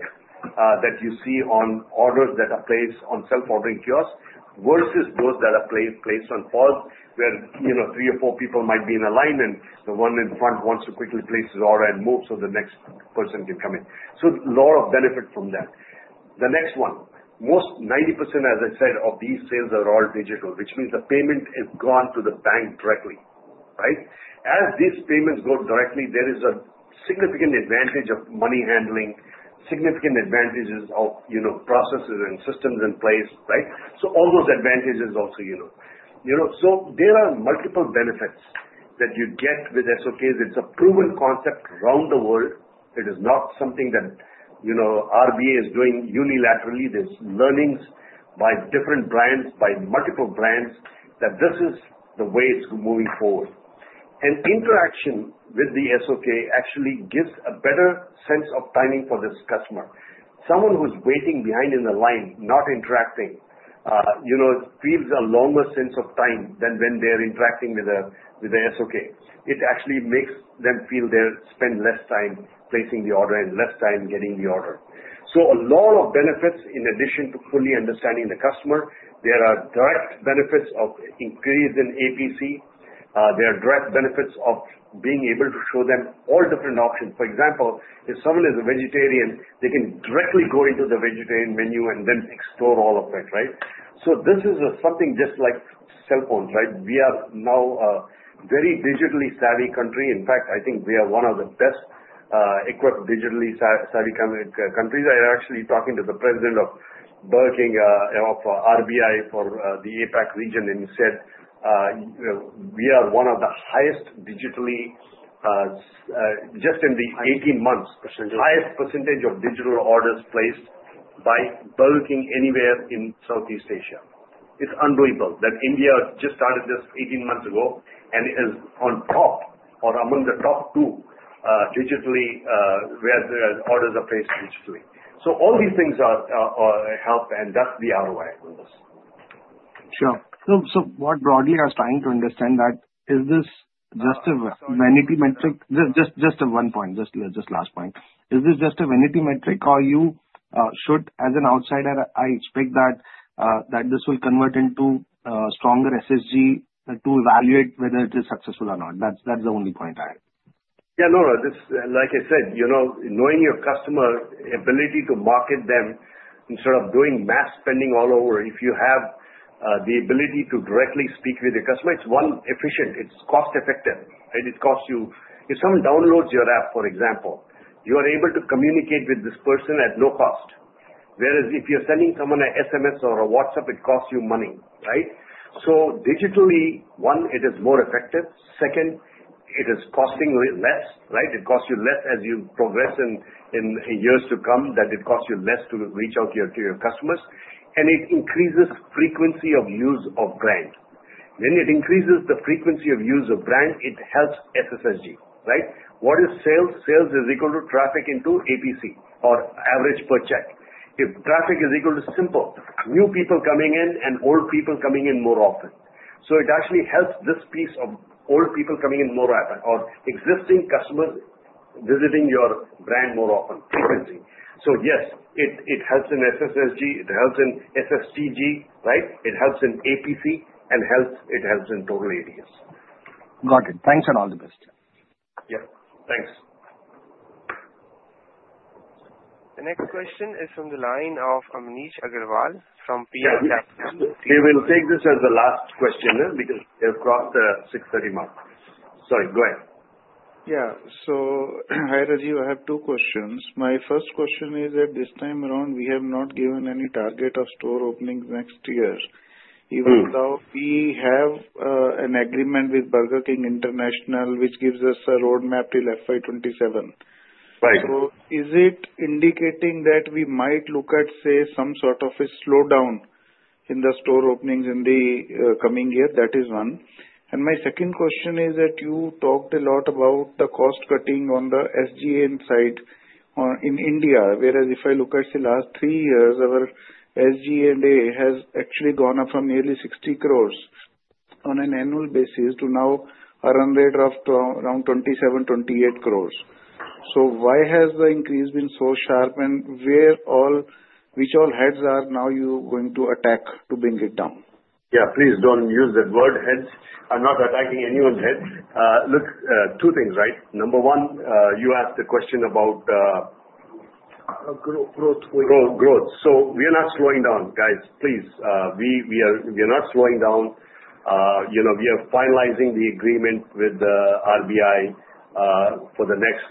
that you see on orders that are placed on self-ordering kiosks versus those that are placed on POS where three or four people might be in a line, and the one in front wants to quickly place his order and move so the next person can come in. So a lot of benefit from that. The next one, most 90%, as I said, of these sales are all digital, which means the payment has gone to the bank directly, right? As these payments go directly, there is a significant advantage of money handling, significant advantages of processes and systems in place, right? So all those advantages also you know. So there are multiple benefits that you get with SOKs. It's a proven concept around the world. It is not something that RBA is doing unilaterally. There's learnings by different brands, by multiple brands, that this is the way it's moving forward, and interaction with the SOK actually gives a better sense of timing for this customer. Someone who's waiting behind in the line, not interacting, feels a longer sense of time than when they're interacting with the SOK. It actually makes them feel they spend less time placing the order and less time getting the order, so a lot of benefits in addition to fully understanding the customer. There are direct benefits of increase in APC. There are direct benefits of being able to show them all different options. For example, if someone is a vegetarian, they can directly go into the vegetarian menu and then explore all of that, right? So this is something just like cell phones, right? We are now a very digitally savvy country. In fact, I think we are one of the best equipped digitally savvy countries. I was actually talking to the president of Burger King of RBI for the APAC region, and he said, "We are one of the highest digitally in just 18 months, highest percentage of digital orders placed by Burger King anywhere in Southeast Asia." It's unbelievable that India just started this 18 months ago and is on top or among the top two digitally where orders are placed digitally. So all these things help, and that's the ROI on this. Sure. So more broadly, I was trying to understand that is this just a vanity metric? Just one point, just last point. Is this just a vanity metric or should, as an outsider, I expect that this will convert into a stronger SSG to evaluate whether it is successful or not? That's the only point I have. Yeah, no. Like I said, knowing your customer ability to market them instead of doing mass spending all over, if you have the ability to directly speak with the customer, it's one efficient. It's cost-effective. It costs you if someone downloads your app, for example, you are able to communicate with this person at no cost. Whereas if you're sending someone an SMS or a WhatsApp, it costs you money, right? So digitally, one, it is more effective. Second, it is costing less, right? It costs you less as you progress in years to come that it costs you less to reach out to your customers. And it increases frequency of use of brand. When it increases the frequency of use of brand, it helps SSSG, right? What is sales? Sales is equal to traffic into APC or average per check. If traffic is equal to simply, new people coming in and old people coming in more often. So it actually helps this piece of old people coming in more often or existing customers visiting your brand more often, frequently. So yes, it helps in SSSG. It helps in SSTG, right? It helps in APC, and it helps in total ADS. Got it. Thanks and all the best. Yeah. Thanks. The next question is from the line of Amnish Aggarwal from PL Capital. We will take this as the last question because we have crossed the 6:30 P.M. mark. Sorry. Go ahead. Yeah. So hi Rajeev. I have two questions. My first question is at this time around, we have not given any target of store openings next year. Even though we have an agreement with Burger King International, which gives us a roadmap till FY27. So is it indicating that we might look at, say, some sort of a slowdown in the store openings in the coming year? That is one. And my second question is that you talked a lot about the cost cutting on the G&A side in India, whereas if I look at the last three years, our G&A has actually gone up from nearly 60 crores on an annual basis to now around 27, 28 crores. So why has the increase been so sharp? And which all heads are you now going to attack to bring it down? Yeah. Please don't use that word, heads. I'm not attacking anyone's heads. Look, two things, right? Number one, you asked a question about. Growth. Growth. So we are not slowing down, guys. Please. We are not slowing down. We are finalizing the agreement with RBI for the next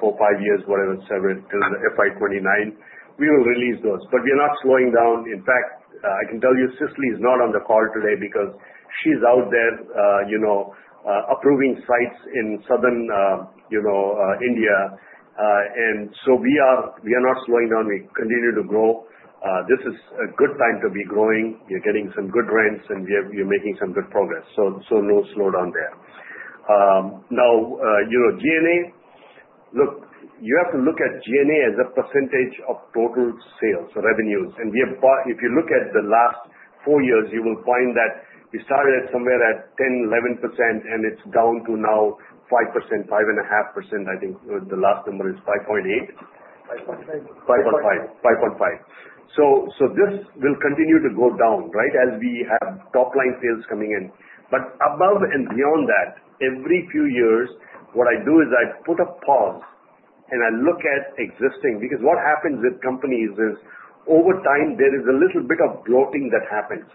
four, five years, whatever, several till the FY29. We will release those. But we are not slowing down. In fact, I can tell you Cicily is not on the call today because she's out there approving sites in southern India. And so we are not slowing down. We continue to grow. This is a good time to be growing. You're getting some good rents, and you're making some good progress. So no slowdown there. Now, G&A, look, you have to look at G&A as a percentage of total sales, revenues. And if you look at the last four years, you will find that we started somewhere at 10%-11%, and it's down to now 5%-5.5%. I think the last number is 5.8%. 5.5. 5.5, 5.5. This will continue to go down, right, as we have top-line sales coming in. But above and beyond that, every few years, what I do is I put a pause and I look at existing because what happens with companies is over time, there is a little bit of bloating that happens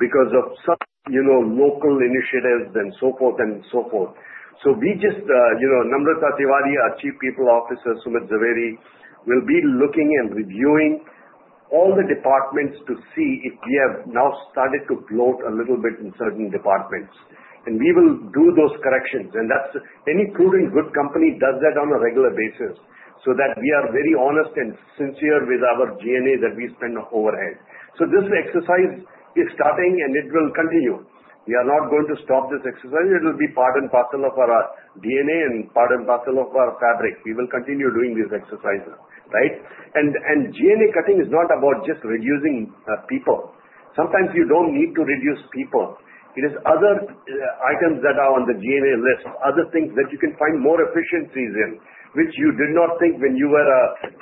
because of some local initiatives and so forth and so forth. We just, Namrata Tiwari, our Chief People Officer, Sumit Zaveri, will be looking and reviewing all the departments to see if we have now started to bloat a little bit in certain departments. We will do those corrections. Any prudent good company does that on a regular basis so that we are very honest and sincere with our G&A that we spend overhead. This exercise is starting, and it will continue. We are not going to stop this exercise. It will be part and parcel of our DNA and part and parcel of our fabric. We will continue doing these exercises, right? And G&A cutting is not about just reducing people. Sometimes you don't need to reduce people. It is other items that are on the G&A list, other things that you can find more efficiencies in, which you did not think when you were a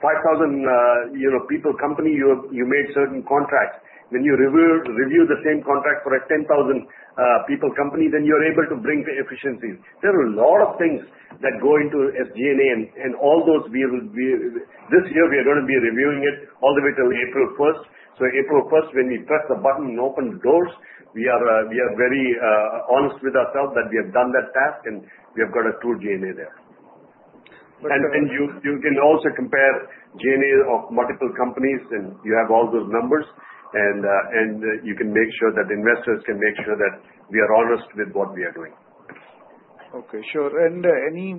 5,000-people company, you made certain contracts. When you review the same contract for a 10,000-people company, then you're able to bring efficiencies. There are a lot of things that go into SG&A, and all those we will be this year, we are going to be reviewing it all the way till April 1st. So April 1st, when we press the button and open the doors, we are very honest with ourselves that we have done that task, and we have got a true G&A there. And then you can also compare G&A of multiple companies, and you have all those numbers, and you can make sure that investors can make sure that we are honest with what we are doing. Okay. Sure. And any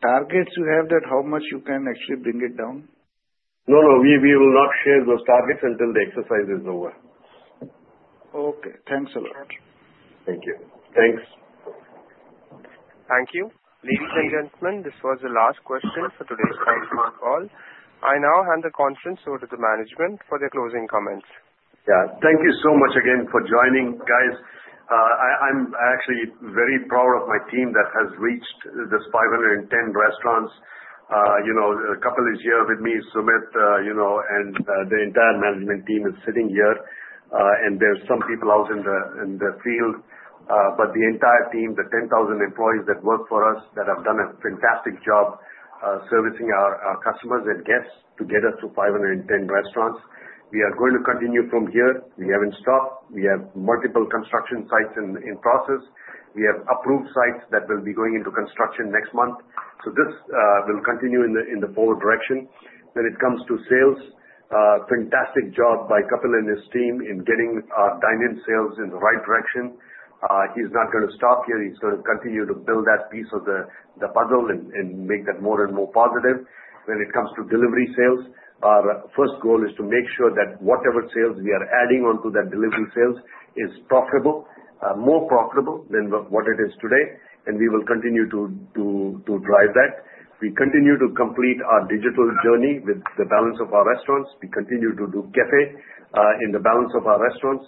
targets you have that how much you can actually bring it down? No, no. We will not share those targets until the exercise is over. Okay. Thanks a lot. Thank you. Thanks. Thank you. Ladies and gentlemen, this was the last question for today. It's time for our call. I now hand the conference over to the management for their closing comments. Yeah. Thank you so much again for joining, guys. I'm actually very proud of my team that has reached this 510 restaurants. Kapil is here with me, Sumit, and the entire management team is sitting here, and there are some people out in the field, but the entire team, the 10,000 employees that work for us, that have done a fantastic job servicing our customers and guests to get us to 510 restaurants. We are going to continue from here. We haven't stopped. We have multiple construction sites in process. We have approved sites that will be going into construction next month. So this will continue in the forward direction. When it comes to sales, fantastic job by Kapil and his team in getting our dine-in sales in the right direction. He's not going to stop here. He's going to continue to build that piece of the puzzle and make that more and more positive. When it comes to delivery sales, our first goal is to make sure that whatever sales we are adding onto that delivery sales is profitable, more profitable than what it is today. And we will continue to drive that. We continue to complete our digital journey with the balance of our restaurants. We continue to do café in the balance of our restaurants.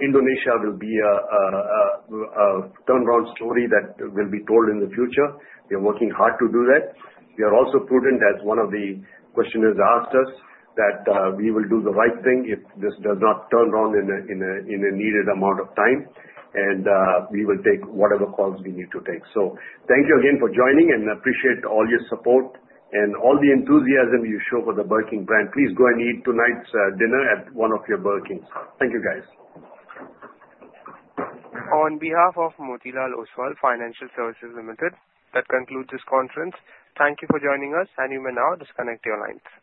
Indonesia will be a turnaround story that will be told in the future. We are working hard to do that. We are also prudent, as one of the questioners asked us, that we will do the right thing if this does not turn around in a needed amount of time. And we will take whatever calls we need to take. So thank you again for joining and appreciate all your support and all the enthusiasm you show for the Burger King brand. Please go and eat tonight's dinner at one of your Burger Kings. Thank you, guys. On behalf of Motilal Oswal Financial Services Limited, that concludes this conference. Thank you for joining us, and you may now disconnect your lines.